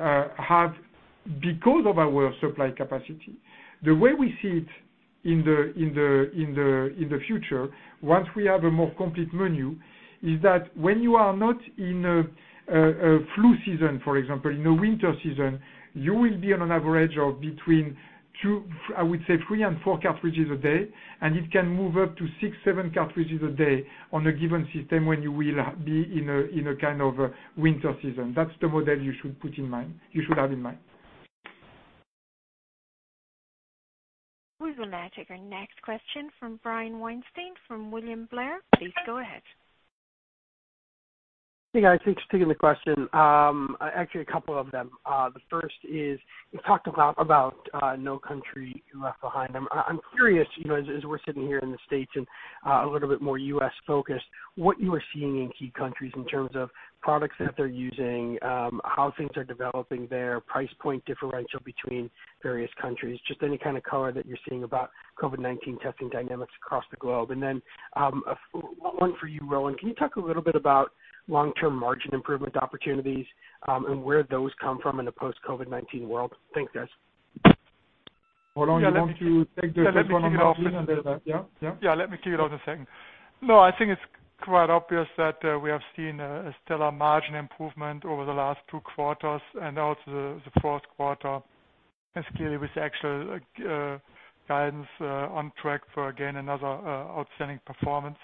have because of our supply capacity. The way we see it in the future, once we have a more complete menu, is that when you are not in a flu season, for example, in a winter season, you will be on an average of between, I would say, three and four cartridges a day, and it can move up to six, seven cartridges a day on a given system when you will be in a kind of winter season. That's the model you should put in mind. You should have in mind.
We will now take our next question from Brian Weinstein from William Blair. Please go ahead.
Thank you. Thanks for taking the question. Actually, a couple of them. The first is you talked about no country left behind. I'm curious, as we're sitting here in the States and a little bit more U.S.-focused, what you are seeing in key countries in terms of products that they're using, how things are developing there, price point differential between various countries, just any kind of color that you're seeing about COVID-19 testing dynamics across the globe? And then one for you, Roland. Can you talk a little bit about long-term margin improvement opportunities and where those come from in a post-COVID-19 world? Thanks, guys.
Roland, you want to take the first one on the OpEx?
Yeah. Yeah. Yeah. Let me clear it out a second. No, I think it's quite obvious that we have seen a stellar margin improvement over the last two quarters and also the fourth quarter, and clearly, with actual guidance on track for, again, another outstanding performance.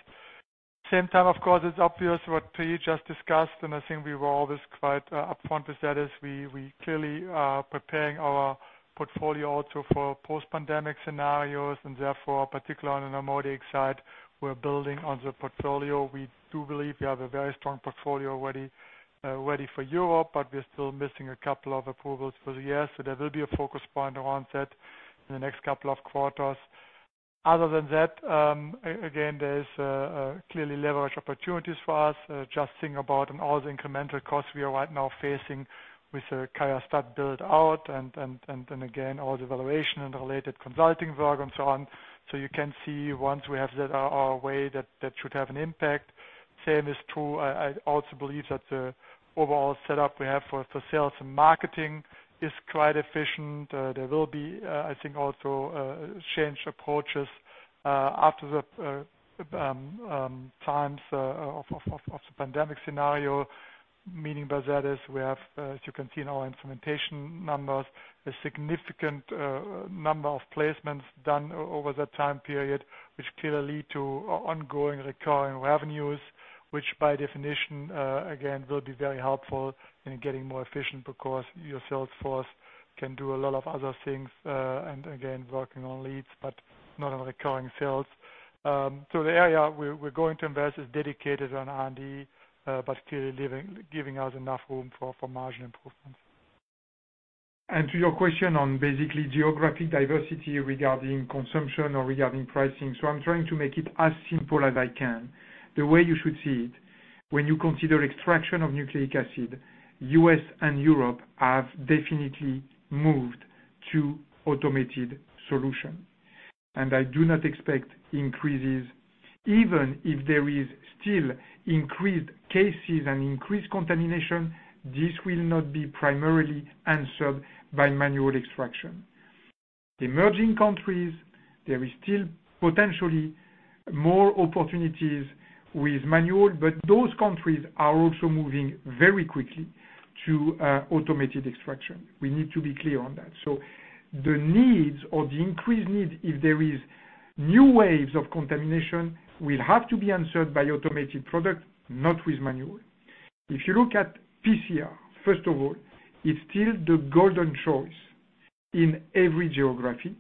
At the same time, of course, it's obvious what Thierry just discussed, and I think we were always quite upfront with that, is we're clearly preparing our portfolio also for post-pandemic scenarios, and therefore, particularly on the NeuMoDx side, we're building on the portfolio. We do believe we have a very strong portfolio already ready for Europe, but we're still missing a couple of approvals for the year. So there will be a focus point around that in the next couple of quarters. Other than that, again, there's clearly leverage opportunities for us, just thinking about all the incremental costs we are right now facing with QIAstat build-out and, again, all the evaluation and related consulting work and so on. So you can see once we have set our way, that should have an impact. Same is true. I also believe that the overall setup we have for sales and marketing is quite efficient. There will be, I think, also changed approaches after the times of the pandemic scenario. Meaning by that is we have, as you can see in our implementation numbers, a significant number of placements done over that time period, which clearly lead to ongoing recurring revenues, which by definition, again, will be very helpful in getting more efficient because your sales force can do a lot of other things and, again, working on leads, but not on recurring sales. So the area we're going to invest is dedicated on R&D, but clearly giving us enough room for margin improvements. And to your question on basically geographic diversity regarding consumption or regarding pricing, so I'm trying to make it as simple as I can. The way you should see it, when you consider extraction of nucleic acid, U.S. and Europe have definitely moved to automated solutions, and I do not expect increases. Even if there is still increased cases and increased contamination, this will not be primarily answered by manual extraction. Emerging countries, there is still potentially more opportunities with manual, but those countries are also moving very quickly to automated extraction. We need to be clear on that, so the needs or the increased needs, if there is new waves of contamination, will have to be answered by automated product, not with manual. If you look at PCR, first of all, it's still the golden choice in every geography.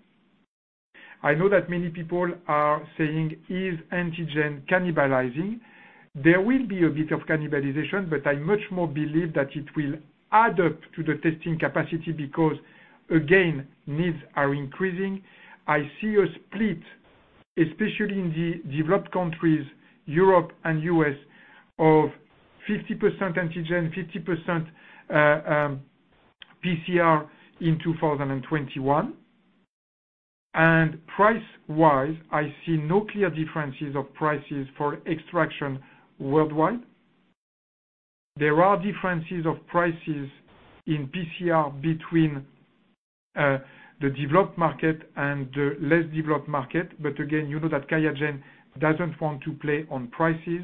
I know that many people are saying, "Is antigen cannibalizing?" There will be a bit of cannibalization, but I much more believe that it will add up to the testing capacity because, again, needs are increasing. I see a split, especially in the developed countries, Europe and U.S., of 50% antigen, 50% PCR in 2021. And price-wise, I see no clear differences of prices for extraction worldwide. There are differences of prices in PCR between the developed market and the less developed market, but again, you know that QIAGEN doesn't want to play on prices.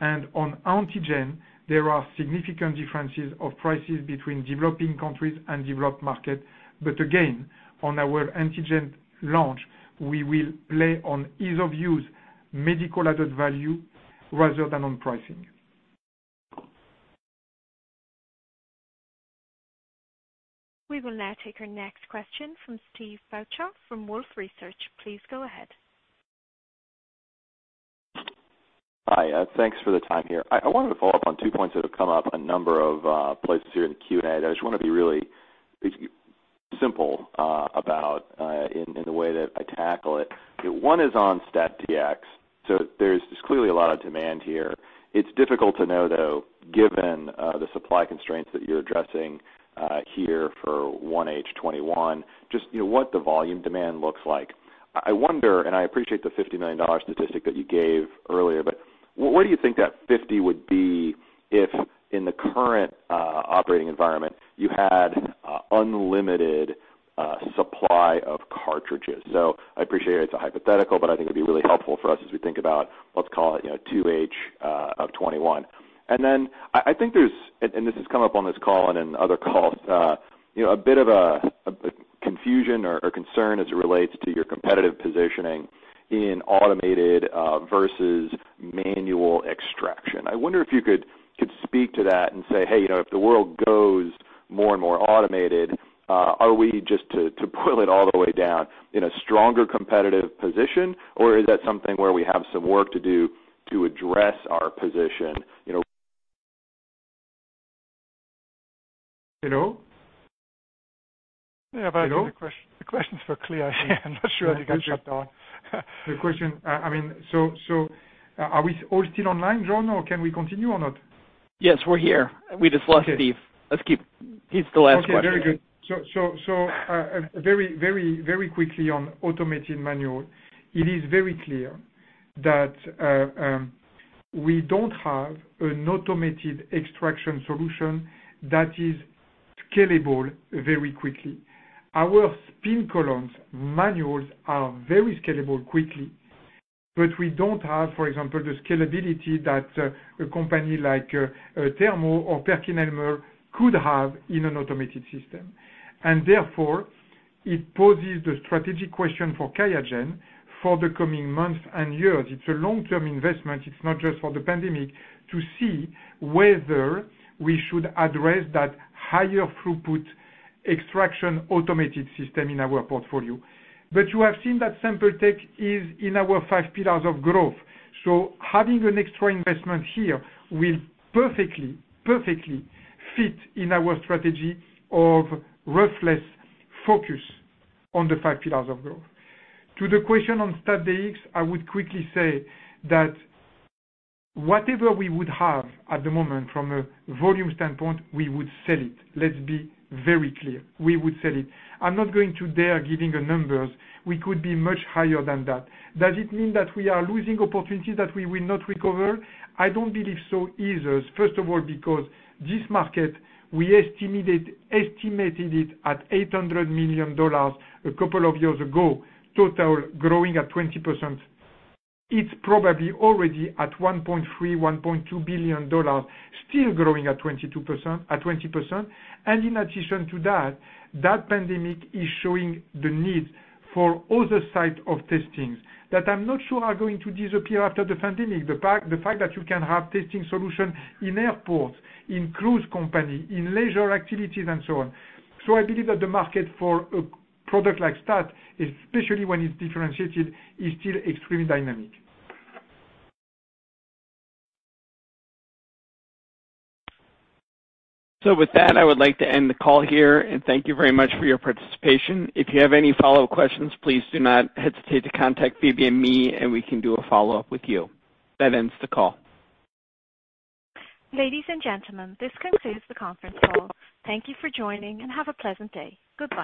And on antigen, there are significant differences of prices between developing countries and developed market. But again, on our antigen launch, we will play on ease of use, medical added value, rather than on pricing.
We will now take our next question from Steve Beuchaw from Wolfe Research. Please go ahead.
Hi. Thanks for the time here. I wanted to follow up on two points that have come up a number of places here in the Q&A. I just want to be really simple about in the way that I tackle it. One is on QIAstat-Dx. So there's clearly a lot of demand here. It's difficult to know, though, given the supply constraints that you're addressing here for 1H 2021, just what the volume demand looks like. I wonder, and I appreciate the $50 million statistic that you gave earlier, but where do you think that $50 million would be if, in the current operating environment, you had unlimited supply of cartridges? So I appreciate it's a hypothetical, but I think it'd be really helpful for us as we think about, let's call it 2H of 2021. And then I think there's, and this has come up on this call and in other calls, a bit of a confusion or concern as it relates to your competitive positioning in automated versus manual extraction. I wonder if you could speak to that and say, "Hey, if the world goes more and more automated, are we, just to pull it all the way down, in a stronger competitive position, or is that something where we have some work to do to address our position?"
Hello?
Yeah. But I think the question is clear here. I'm not sure if you got shut down.
The question, I mean, so are we all still online, Roland, or can we continue or not?
Yes. We're here. We just lost Steve. He's the last question.
Okay. Very good. So very, very quickly on automated manual. It is very clear that we don't have an automated extraction solution that is scalable very quickly. Our spin columns manuals are very scalable quickly, but we don't have, for example, the scalability that a company like Thermo or PerkinElmer could have in an automated system. And therefore, it poses the strategic question for QIAGEN for the coming months and years. It's a long-term investment. It's not just for the pandemic to see whether we should address that higher throughput extraction automated system in our portfolio. But you have seen that Sample Tech is in our five pillars of growth. So having an extra investment here will perfectly, perfectly fit in our strategy of ruthless focus on the five pillars of growth. To the question on QIAstat-Dx, I would quickly say that whatever we would have at the moment from a volume standpoint, we would sell it. Let's be very clear. We would sell it. I'm not going to dare giving numbers. We could be much higher than that. Does it mean that we are losing opportunities that we will not recover? I don't believe so. First of all, because this market, we estimated it at $800 million a couple of years ago, total growing at 20%. It's probably already at $1.2 billion-$1.3 billion, still growing at 20%. And in addition to that, that pandemic is showing the needs for other sites of testing that I'm not sure are going to disappear after the pandemic. The fact that you can have testing solutions in airports, in cruise companies, in leisure activities, and so on. So I believe that the market for a product like QIAstat-Dx, especially when it's differentiated, is still extremely dynamic.
So with that, I would like to end the call here, and thank you very much for your participation. If you have any follow-up questions, please do not hesitate to contact Phoebe and me, and we can do a follow-up with you. That ends the call.
Ladies and gentlemen, this concludes the conference call. Thank you for joining, and have a pleasant day. Goodbye.